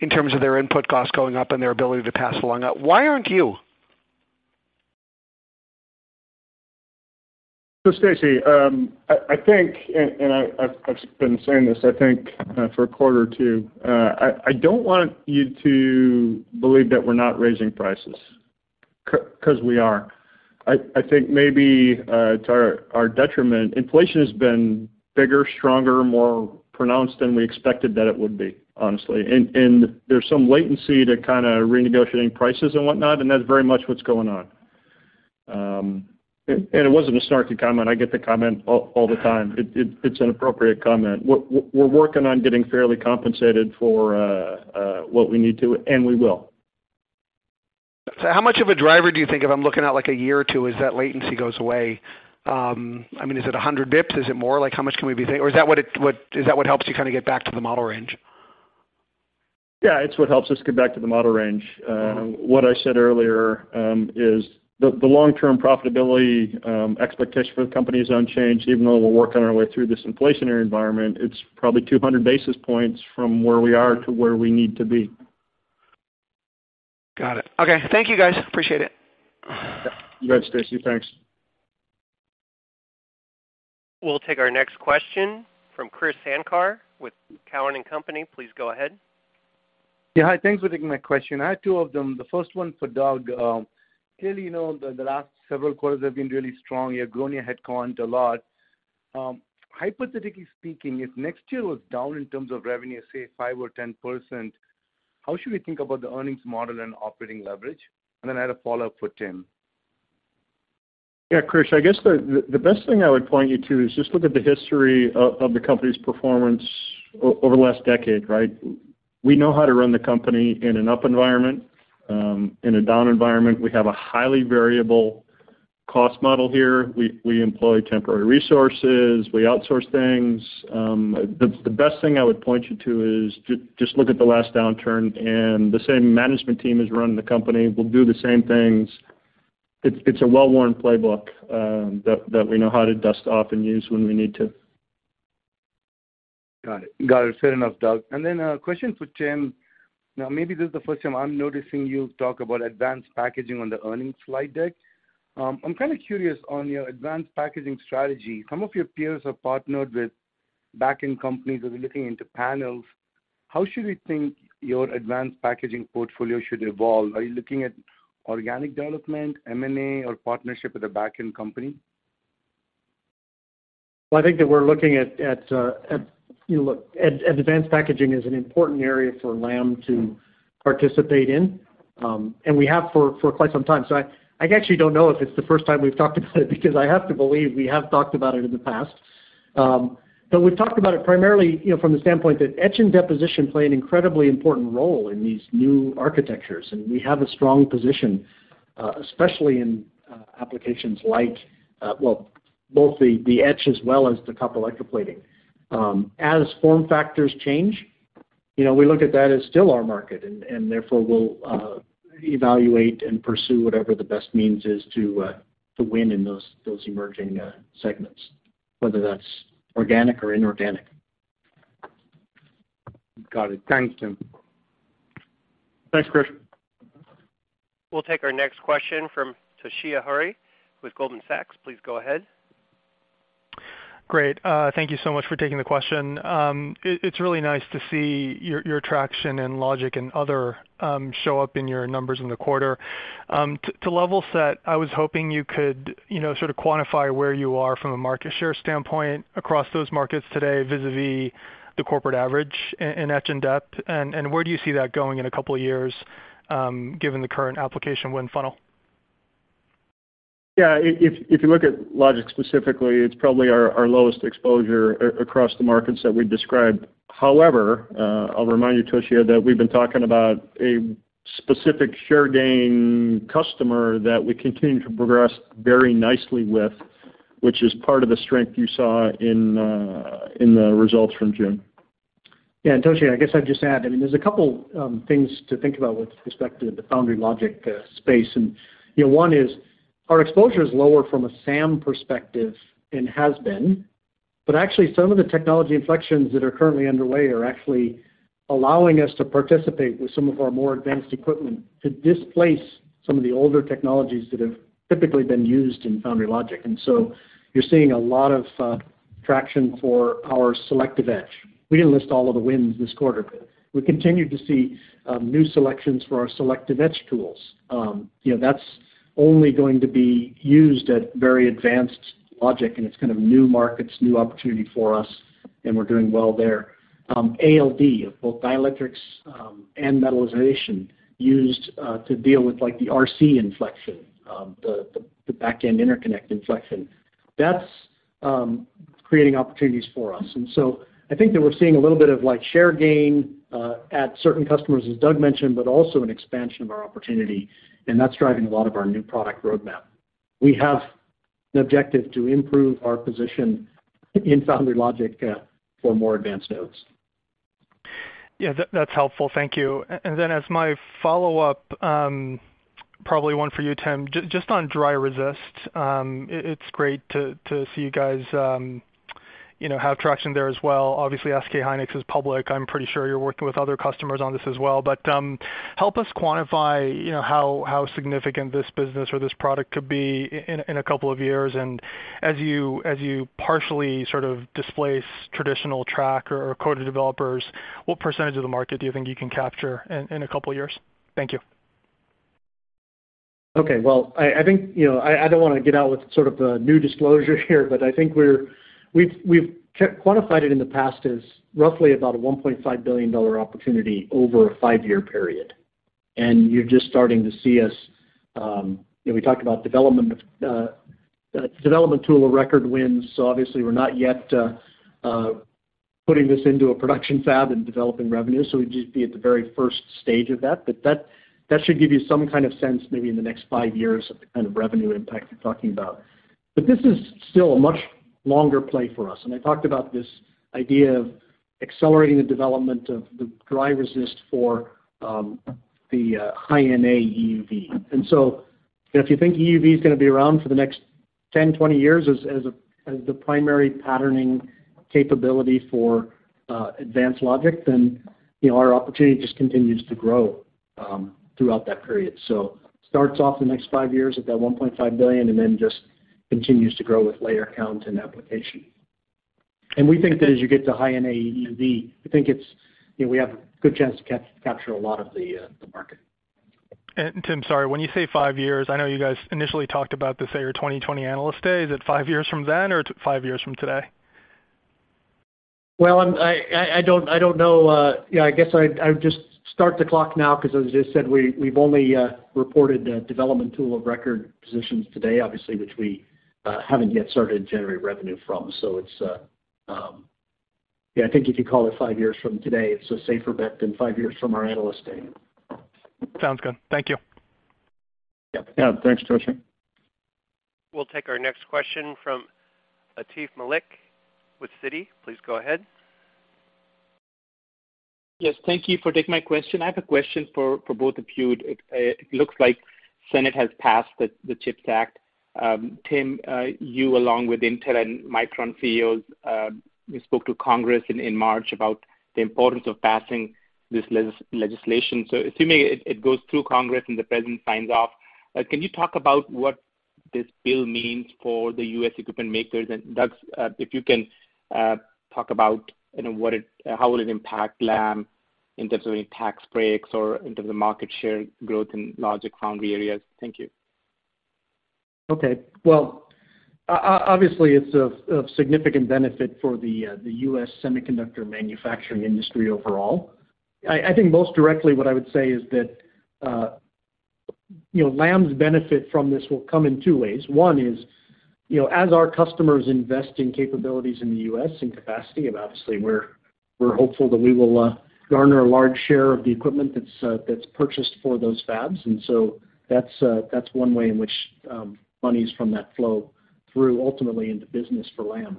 Speaker 9: in terms of their input costs going up and their ability to pass along. Why aren't you?
Speaker 4: Stacy, I think I've been saying this for a quarter or two. I don't want you to believe that we're not raising prices, 'cause we are. I think maybe to our detriment, inflation has been bigger, stronger, more pronounced than we expected that it would be, honestly. There's some latency to kinda renegotiating prices and whatnot, and that's very much what's going on. It wasn't a snarky comment. I get the comment all the time. It's an appropriate comment. We're working on getting fairly compensated for what we need to, and we will.
Speaker 9: How much of a driver do you think of, I'm looking at like a year or two, as that latency goes away? I mean, is it 100 basis points? Is it more? Like, how much can we be thinking, or is that what helps you kinda get back to the model range?
Speaker 4: It's what helps us get back to the model range. What I said earlier is the long-term profitability expectation for the company is unchanged, even though we're working our way through this inflationary environment. It's probably 200 basis points from where we are to where we need to be.
Speaker 9: Got it. Okay. Thank you, guys. Appreciate it.
Speaker 4: You bet, Stacy. Thanks.
Speaker 1: We'll take our next question from Krish Sankar with Cowen and Company. Please go ahead.
Speaker 10: Yeah, hi. Thanks for taking my question. I have two of them, the first one for Doug. Clearly, you know, the last several quarters have been really strong. You have grown your headcount a lot. Hypothetically speaking, if next year was down in terms of revenue, say 5%-10%, how should we think about the earnings model and operating leverage? Then I had a follow-up for Tim.
Speaker 4: Yeah, Krish, I guess the best thing I would point you to is just look at the history of the company's performance over the last decade, right? We know how to run the company in an up environment, in a down environment. We have a highly variable cost model here. We employ temporary resources. We outsource things. The best thing I would point you to is just look at the last downturn, and the same management team is running the company, will do the same things. It's a well-worn playbook that we know how to dust off and use when we need to.
Speaker 10: Got it. Fair enough, Doug. a question for Tim. Now maybe this is the first time I'm noticing you talk about advanced packaging on the earnings slide deck. I'm kind of curious on your advanced packaging strategy. Some of your peers have partnered with backend companies or they're looking into panels. How should we think your advanced packaging portfolio should evolve? Are you looking at organic development, M&A or partnership with a backend company?
Speaker 3: Well, I think that we're looking at, you know, look, advanced packaging is an important area for Lam to participate in. We have for quite some time. I actually don't know if it's the first time we've talked about it because I have to believe we have talked about it in the past. We've talked about it primarily, you know, from the standpoint that etch and deposition play an incredibly important role in these new architectures, and we have a strong position, especially in applications like, well, both the etch as well as the copper electroplating. As form factors change, you know, we look at that as still our market and therefore, we'll evaluate and pursue whatever the best means is to win in those emerging segments, whether that's organic or inorganic.
Speaker 10: Got it. Thanks, Tim.
Speaker 4: Thanks, Krish.
Speaker 1: We'll take our next question from Toshiya Hari with Goldman Sachs. Please go ahead.
Speaker 11: Great. Thank you so much for taking the question. It's really nice to see your traction and logic and other show up in your numbers in the quarter. To level set, I was hoping you could, you know, sort of quantify where you are from a market share standpoint across those markets today vis-a-vis the corporate average in etch and dep, and where do you see that going in a couple years, given the current application win funnel?
Speaker 4: Yeah. If you look at logic specifically, it's probably our lowest exposure across the markets that we described. However, I'll remind you, Toshiya, that we've been talking about a specific share gain customer that we continue to progress very nicely with, which is part of the strength you saw in the results from June.
Speaker 3: Yeah. Toshiya, I guess I'd just add. I mean, there's a couple things to think about with respect to the foundry logic space. You know, one is our exposure is lower from a SAM perspective and has been. Actually, some of the technology inflections that are currently underway are actually allowing us to participate with some of our more advanced equipment to displace some of the older technologies that have typically been used in foundry logic. You're seeing a lot of traction for our selective etch. We didn't list all of the wins this quarter. We continue to see new selections for our selective etch tools. You know, that's only going to be used at very advanced logic, and it's kind of new markets, new opportunity for us, and we're doing well there. ALD of both dielectrics, and metallization used, to deal with like the RC inflection, the backend interconnect inflection. That's creating opportunities for us. I think that we're seeing a little bit of like share gain, at certain customers, as Doug mentioned, but also an expansion of our opportunity, and that's driving a lot of our new product roadmap. We have the objective to improve our position in foundry logic, for more advanced nodes.
Speaker 11: Yeah. That's helpful. Thank you. As my follow-up, probably one for you, Tim. Just on dry resist, it's great to see you guys, you know, have traction there as well. Obviously, SK hynix is public. I'm pretty sure you're working with other customers on this as well. Help us quantify, you know, how significant this business or this product could be in a couple of years. As you partially sort of displace traditional track or coated developers, what percentage of the market do you think you can capture in a couple years? Thank you.
Speaker 3: Okay. Well, I think, you know, I don't wanna get ahead of sort of the new disclosure here, but I think we've quantified it in the past as roughly about a $1.5 billion opportunity over a five-year period. You're just starting to see us, you know, we talked about development tool of record wins. Obviously, we're not yet putting this into a production fab and developing revenue, so we'd just be at the very first stage of that. That should give you some kind of sense, maybe in the next five years, of the kind of revenue impact you're talking about. This is still a much longer play for us. I talked about this idea of accelerating the development of the dry resist for the high-NA EUV. You know, if you think EUV is gonna be around for the next 10, 20 years as the primary patterning capability for advanced logic, then, you know, our opportunity just continues to grow throughout that period. It starts off the next five years at that $1.5 billion, and then just continues to grow with layer count and application. We think that as you get to high-NA EUV, I think it's, you know, we have a good chance to capture a lot of the market.
Speaker 11: Tim, sorry. When you say five years, I know you guys initially talked about this at your 2020 analyst day. Is it five years from then or five years from today?
Speaker 3: Well, I don't know. Yeah, I guess I'd just start the clock now, because as I said, we've only reported the development tool of record positions today, obviously, which we haven't yet started to generate revenue from. Yeah, I think if you call it five years from today, it's a safer bet than five years from our analyst day.
Speaker 11: Sounds good. Thank you.
Speaker 3: Yep.
Speaker 4: Yeah. Thanks, Toshiya.
Speaker 1: We'll take our next question from Atif Malik with Citi. Please go ahead.
Speaker 12: Yes, thank you for taking my question. I have a question for both of you. It looks like the Senate has passed the CHIPS Act. Tim, you along with Intel and Micron CEOs, you spoke to Congress in March about the importance of passing this legislation. Assuming it goes through Congress and the president signs off, can you talk about what this bill means for the U.S. equipment makers? Doug, if you can, talk about, you know, how will it impact Lam in terms of any tax breaks or in terms of market share growth in logic foundry areas? Thank you.
Speaker 3: Okay. Well, obviously, it's of significant benefit for the U.S. semiconductor manufacturing industry overall. I think most directly what I would say is that, you know, Lam's benefit from this will come in two ways. One is, you know, as our customers invest in capabilities in the U.S. and capacity, obviously we're hopeful that we will garner a large share of the equipment that's purchased for those fabs. That's one way in which monies from that flow through ultimately into business for Lam.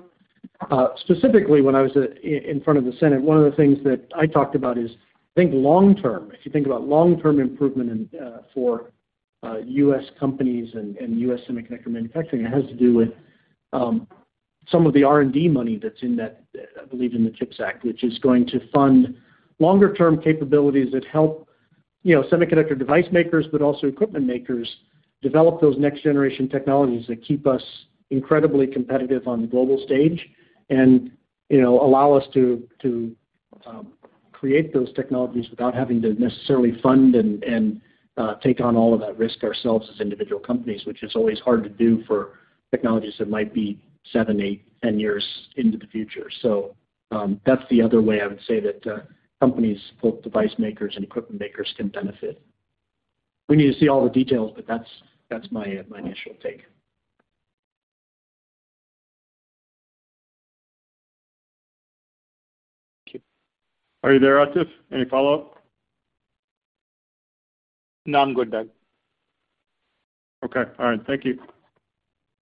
Speaker 3: Specifically, when I was in front of the Senate, one of the things that I talked about is think long term. If you think about long-term improvement for U.S. companies and U.S. semiconductor manufacturing, it has to do with some of the R&D money that's in that, I believe in the CHIPS Act, which is going to fund longer term capabilities that help, you know, semiconductor device makers, but also equipment makers develop those next generation technologies that keep us incredibly competitive on the global stage and, you know, allow us to create those technologies without having to necessarily fund and take on all of that risk ourselves as individual companies, which is always hard to do for technologies that might be seven, eight, 10 years into the future. That's the other way I would say that companies, both device makers and equipment makers can benefit. We need to see all the details, but that's my initial take.
Speaker 12: Thank you.
Speaker 4: Are you there, Atif? Any follow-up?
Speaker 12: No, I'm good, Doug.
Speaker 4: Okay. All right. Thank you.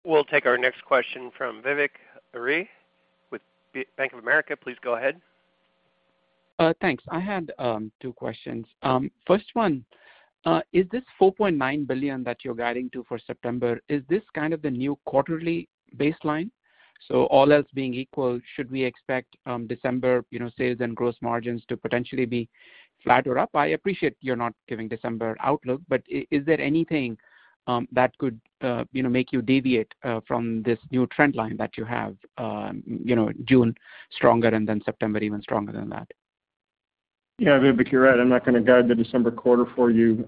Speaker 1: We'll take our next question from Vivek Arya with Bank of America. Please go ahead.
Speaker 13: Thanks. I had two questions. First one, is this $4.9 billion that you're guiding to for September, is this kind of the new quarterly baseline? All else being equal, should we expect December, you know, sales and gross margins to potentially be flat or up? I appreciate you're not giving December outlook, but is there anything that could, you know, make you deviate from this new trend line that you have, you know, June stronger and then September even stronger than that?
Speaker 4: Yeah, Vivek, you're right. I'm not gonna guide the December quarter for you.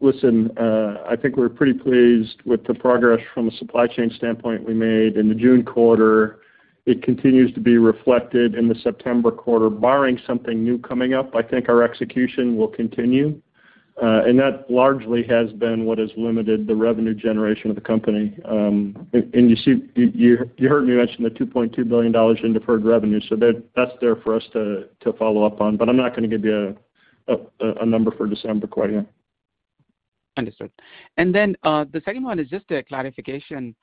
Speaker 4: Listen, I think we're pretty pleased with the progress from a supply chain standpoint we made in the June quarter. It continues to be reflected in the September quarter. Barring something new coming up, I think our execution will continue. That largely has been what has limited the revenue generation of the company. You heard me mention the $2.2 billion in deferred revenue, so that's there for us to follow up on. I'm not gonna give you a number for December quite yet.
Speaker 13: Understood. Then the second one is just a clarification.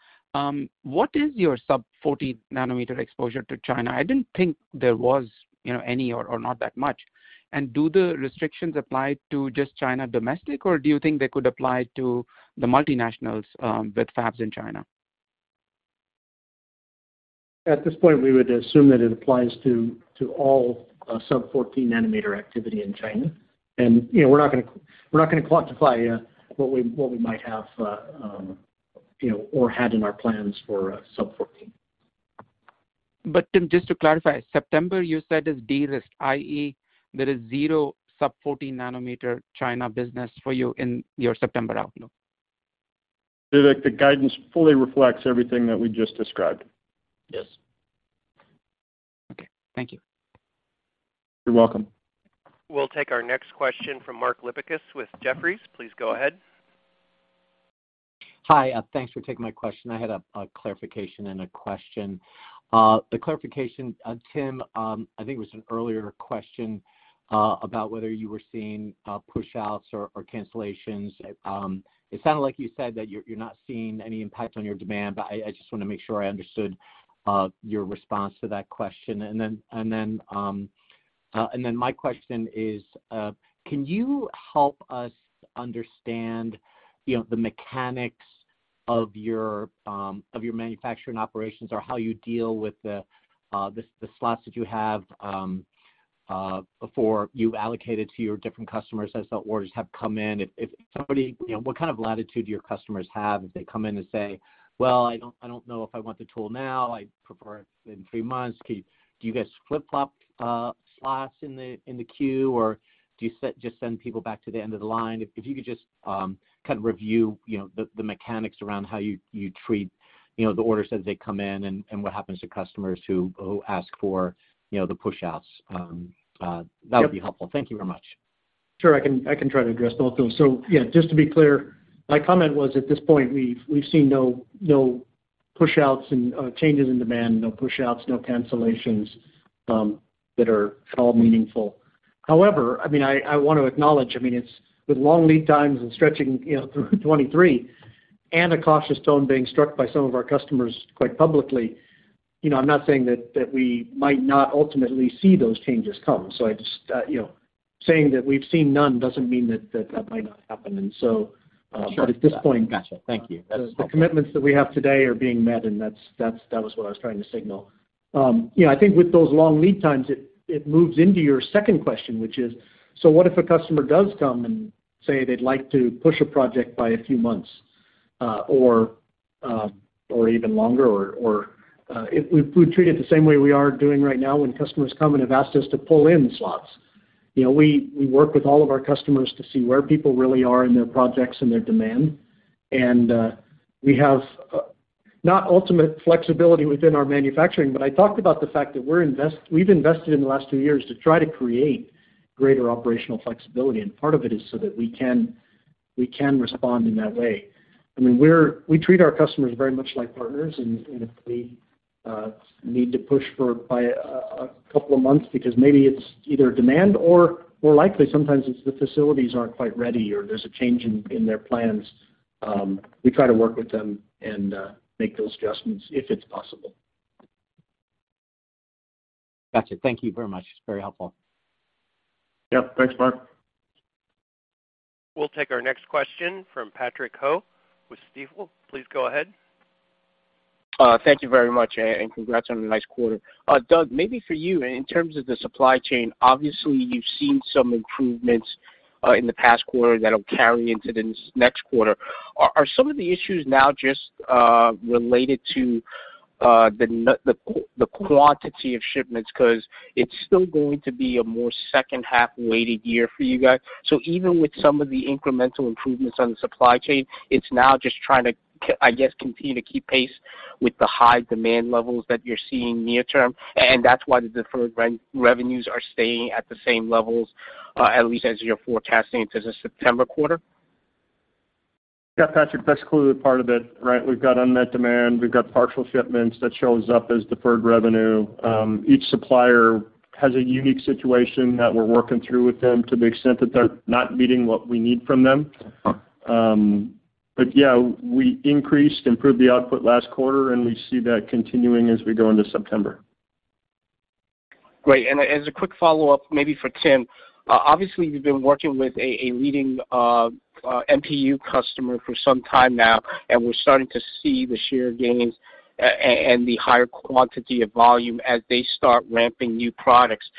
Speaker 13: What is your sub-14 nanometer exposure to China? I didn't think there was, you know, any or not that much. Do the restrictions apply to just China domestic, or do you think they could apply to the multinationals with fabs in China?
Speaker 3: At this point, we would assume that it applies to all sub-14 nanometer activity in China. You know, we're not gonna quantify what we might have or had in our plans for sub-fourteen.
Speaker 13: Tim, just to clarify, September, you said is de-risked, i.e., there is zero sub-14 nanometer China business for you in your September outlook.
Speaker 4: Vivek, the guidance fully reflects everything that we just described.
Speaker 3: Yes.
Speaker 13: Okay. Thank you.
Speaker 4: You're welcome.
Speaker 1: We'll take our next question from Mark Lipacis with Jefferies. Please go ahead.
Speaker 14: Hi. Thanks for taking my question. I had a clarification and a question. The clarification, Tim, I think it was an earlier question about whether you were seeing pushouts or cancellations. It sounded like you said that you're not seeing any impact on your demand, but I just wanna make sure I understood your response to that question. Then my question is, can you help us understand, you know, the mechanics of your manufacturing operations or how you deal with the slots that you have before you allocate it to your different customers as the orders have come in? If somebody... You know, what kind of latitude do your customers have if they come in and say, "Well, I don't know if I want the tool now. I'd prefer it in three months." Do you guys flip-flop slots in the queue, or do you just send people back to the end of the line? If you could just kind of review, you know, the mechanics around how you treat, you know, the orders as they come in and what happens to customers who ask for, you know, the pushouts.
Speaker 3: Yep.
Speaker 14: That would be helpful. Thank you very much.
Speaker 3: Sure. I can try to address both those. Yeah, just to be clear, my comment was at this point we've seen no pushouts and changes in demand, no pushouts, no cancellations that are at all meaningful. However, I mean, I want to acknowledge, I mean, it's with long lead times and stretching, you know, through 2023 and a cautious tone being struck by some of our customers quite publicly, you know, I'm not saying that we might not ultimately see those changes come. I just, you know, saying that we've seen none doesn't mean that might not happen.
Speaker 14: Sure.
Speaker 3: At this point.
Speaker 14: Gotcha. Thank you. That's helpful.
Speaker 3: The commitments that we have today are being met, and that was what I was trying to signal. You know, I think with those long lead times, it moves into your second question, which is, so what if a customer does come and say they'd like to push a project by a few months, or even longer. We treat it the same way we are doing right now when customers come and have asked us to pull in slots. You know, we work with all of our customers to see where people really are in their projects and their demand. We have not ultimate flexibility within our manufacturing, but I talked about the fact that we've invested in the last two years to try to create greater operational flexibility, and part of it is so that we can respond in that way. I mean, we treat our customers very much like partners, and if we need to push by a couple of months because maybe it's either demand, or more likely sometimes it's the facilities aren't quite ready or there's a change in their plans, we try to work with them and make those adjustments if it's possible.
Speaker 14: Got you. Thank you very much. It's very helpful.
Speaker 3: Yep. Thanks, Mark.
Speaker 1: We'll take our next question from Patrick Ho with Stifel. Please go ahead.
Speaker 15: Thank you very much and congrats on a nice quarter. Doug, maybe for you, in terms of the supply chain, obviously, you've seen some improvements in the past quarter that'll carry into this next quarter. Are some of the issues now just related to the quantity of shipments 'cause it's still going to be a more second half weighted year for you guys? Even with some of the incremental improvements on the supply chain, it's now just trying to, I guess, continue to keep pace with the high demand levels that you're seeing near term, and that's why the deferred revenues are staying at the same levels, at least as you're forecasting into the September quarter.
Speaker 4: Yeah, Patrick, that's clearly part of it, right? We've got unmet demand. We've got partial shipments that shows up as deferred revenue. Each supplier has a unique situation that we're working through with them to the extent that they're not meeting what we need from them. But yeah, we increased, improved the output last quarter, and we see that continuing as we go into September.
Speaker 15: Great. As a quick follow-up, maybe for Tim. Obviously, you've been working with a leading MPU customer for some time now, and we're starting to see the share gains and the higher quantity of volume as they start ramping new products.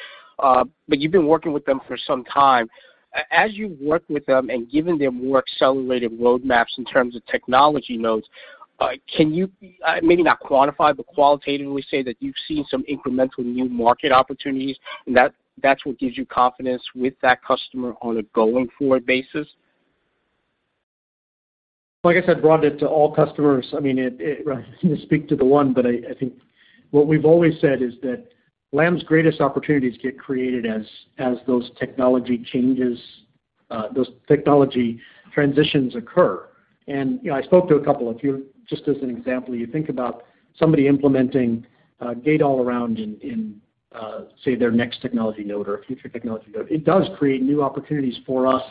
Speaker 15: You've been working with them for some time. As you've worked with them and given them more accelerated roadmaps in terms of technology nodes, can you maybe not quantify, but qualitatively say that you've seen some incremental new market opportunities, and that's what gives you confidence with that customer on a going forward basis?
Speaker 3: Like I said, broaden it to all customers. I mean, I speak to the one, but I think what we've always said is that Lam's greatest opportunities get created as those technology changes, those technology transitions occur. You know, I spoke to a couple of you, just as an example, you think about somebody implementing gate-all-around in, say, their next technology node or a future technology node. It does create new opportunities for us,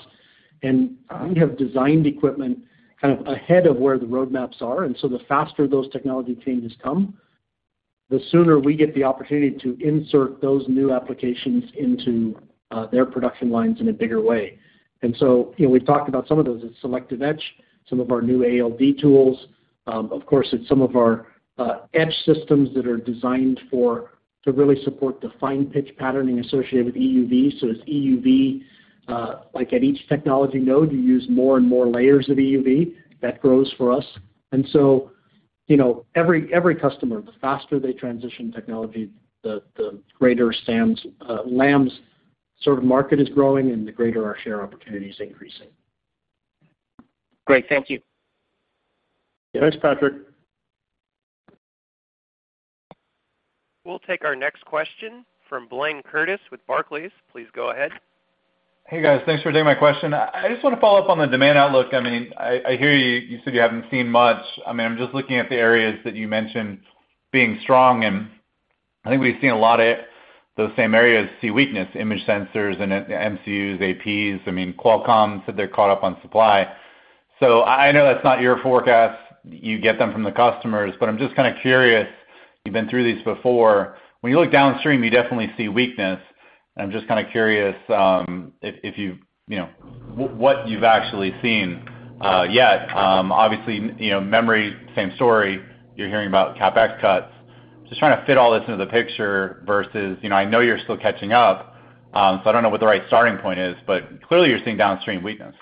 Speaker 3: and we have designed equipment kind of ahead of where the roadmaps are. The faster those technology changes come, the sooner we get the opportunity to insert those new applications into their production lines in a bigger way. You know, we've talked about some of those, the selective etch, some of our new ALD tools. Of course, it's some of our etch systems that are designed to really support the fine pitch patterning associated with EUV. As EUV, like at each technology node, you use more and more layers of EUV, that grows for us. You know, every customer, the faster they transition technology, the greater SAM's, Lam's sort of market is growing and the greater our share opportunity is increasing.
Speaker 15: Great. Thank you.
Speaker 3: Thanks, Patrick.
Speaker 1: We'll take our next question from Blayne Curtis with Barclays. Please go ahead.
Speaker 16: Hey, guys. Thanks for taking my question. I just want to follow up on the demand outlook. I mean, I hear you said you haven't seen much. I mean, I'm just looking at the areas that you mentioned being strong, and I think we've seen a lot of those same areas see weakness, image sensors and MCUs, APs. I mean, Qualcomm said they're caught up on supply. So I know that's not your forecast. You get them from the customers, but I'm just kind of curious, you've been through these before. When you look downstream, you definitely see weakness. I'm just kind of curious, if you know what you've actually seen yet. Obviously, you know, memory, same story. You're hearing about CapEx cuts. Just trying to fit all this into the picture versus, you know, I know you're still catching up, so I don't know what the right starting point is, but clearly you're seeing downstream weakness.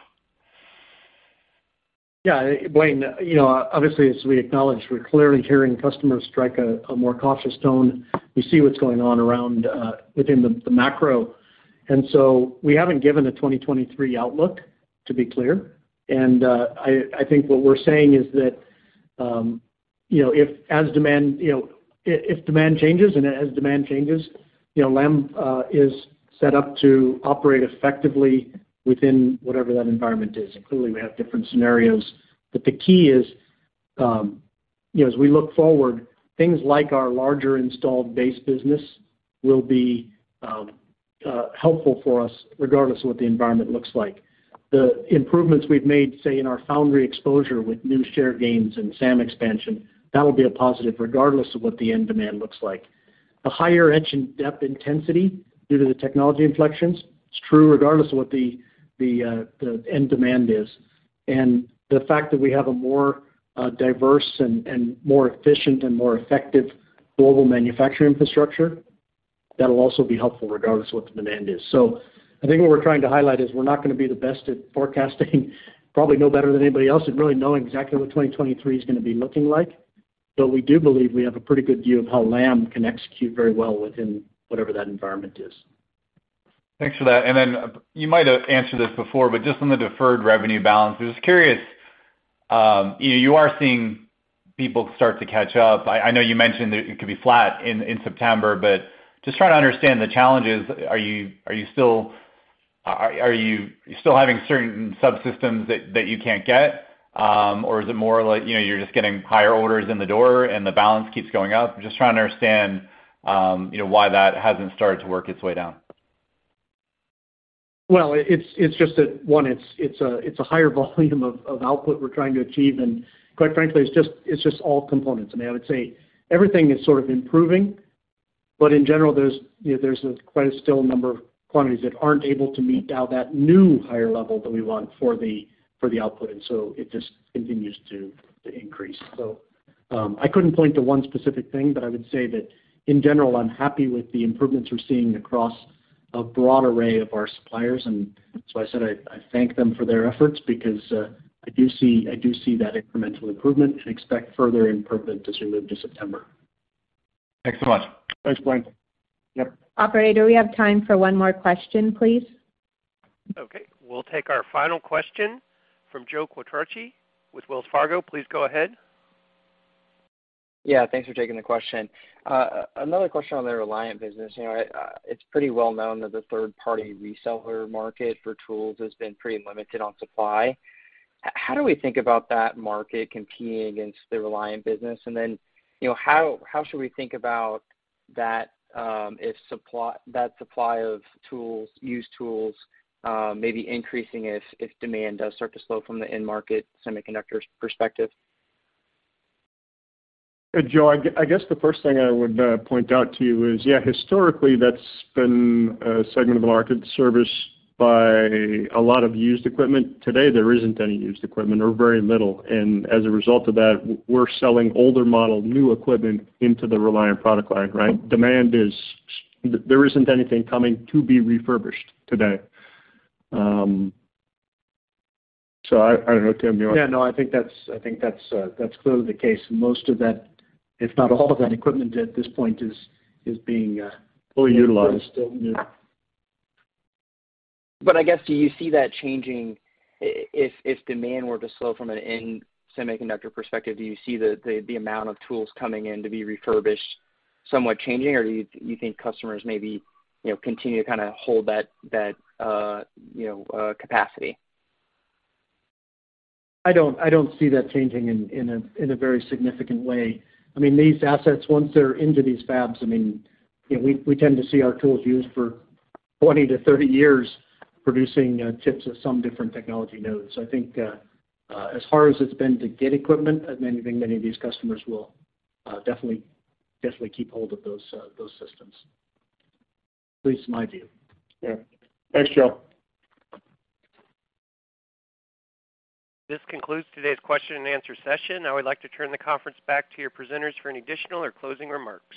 Speaker 3: Yeah. Blayne, you know, obviously, as we acknowledge, we're clearly hearing customers strike a more cautious tone. We see what's going on around, within the macro. We haven't given a 2023 outlook, to be clear. I think what we're saying is that, you know, if demand changes and as demand changes, you know, Lam is set up to operate effectively within whatever that environment is. Clearly, we have different scenarios. But the key is, you know, as we look forward, things like our larger installed base business will be helpful for us regardless of what the environment looks like. The improvements we've made, say, in our foundry exposure with new share gains and SAM expansion, that will be a positive regardless of what the end demand looks like. The higher etch and depth intensity due to the technology inflections, it's true regardless of what the end demand is. The fact that we have a more diverse and more efficient and more effective global manufacturing infrastructure, that'll also be helpful regardless of what the demand is. I think what we're trying to highlight is we're not gonna be the best at forecasting, probably no better than anybody else at really knowing exactly what 2023 is gonna be looking like. We do believe we have a pretty good view of how Lam can execute very well within whatever that environment is.
Speaker 16: Thanks for that. You might have answered this before, but just on the deferred revenue balance, I was just curious, you know, you are seeing people start to catch up. I know you mentioned that it could be flat in September, but just trying to understand the challenges. Are you still having certain subsystems that you can't get? Or is it more like, you know, you're just getting higher orders in the door and the balance keeps going up? I'm just trying to understand, you know, why that hasn't started to work its way down.
Speaker 3: Well, it's just that it's a higher volume of output we're trying to achieve. Quite frankly, it's all components. I mean, I would say everything is sort of improving. In general, there's you know still quite a number of quantities that aren't able to meet the new higher level that we want for the output, so it just continues to increase. I couldn't point to one specific thing, but I would say that in general, I'm happy with the improvements we're seeing across a broad array of our suppliers. That's why I said I thank them for their efforts because I do see that incremental improvement and expect further improvement as we move to September.
Speaker 16: Thanks so much.
Speaker 4: Thanks, Blayne. Yep.
Speaker 2: Operator, we have time for one more question, please.
Speaker 1: Okay, we'll take our final question from Joe Quatrochi with Wells Fargo. Please go ahead.
Speaker 17: Yeah, thanks for taking the question. Another question on the Reliant business. You know, it's pretty well known that the third-party reseller market for tools has been pretty limited on supply. How do we think about that market competing against the Reliant business? And then, you know, how should we think about that, if that supply of tools, used tools, maybe increasing if demand does start to slow from the end market semiconductors perspective?
Speaker 4: Hey, Joe, I guess the first thing I would point out to you is, yeah, historically, that's been a segment of the market serviced by a lot of used equipment. Today, there isn't any used equipment or very little, and as a result of that, we're selling older model new equipment into the Reliant product line, right? Demand is. There isn't anything coming to be refurbished today. I don't know, Tim, you wanna-
Speaker 3: Yeah, no, I think that's clearly the case. Most of that, if not all of that equipment at this point is being
Speaker 4: Fully utilized.
Speaker 3: Still new.
Speaker 17: I guess, do you see that changing if demand were to slow from an end semiconductor perspective? Do you see the amount of tools coming in to be refurbished somewhat changing, or do you think customers maybe, you know, continue to kinda hold that capacity?
Speaker 3: I don't see that changing in a very significant way. I mean, these assets, once they're into these fabs, I mean, you know, we tend to see our tools used for 20-30 years producing chips of some different technology nodes. I think, as hard as it's been to get equipment, I mean, I think many of these customers will definitely keep hold of those systems. At least in my view.
Speaker 4: Yeah. Thanks, Joe.
Speaker 1: This concludes today's question and answer session. Now I'd like to turn the conference back to your presenters for any additional or closing remarks.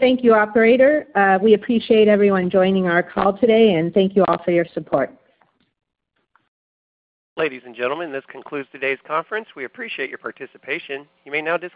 Speaker 2: Thank you, operator. We appreciate everyone joining our call today, and thank you all for your support.
Speaker 1: Ladies and gentlemen, this concludes today's conference. We appreciate your participation. You may now disconnect.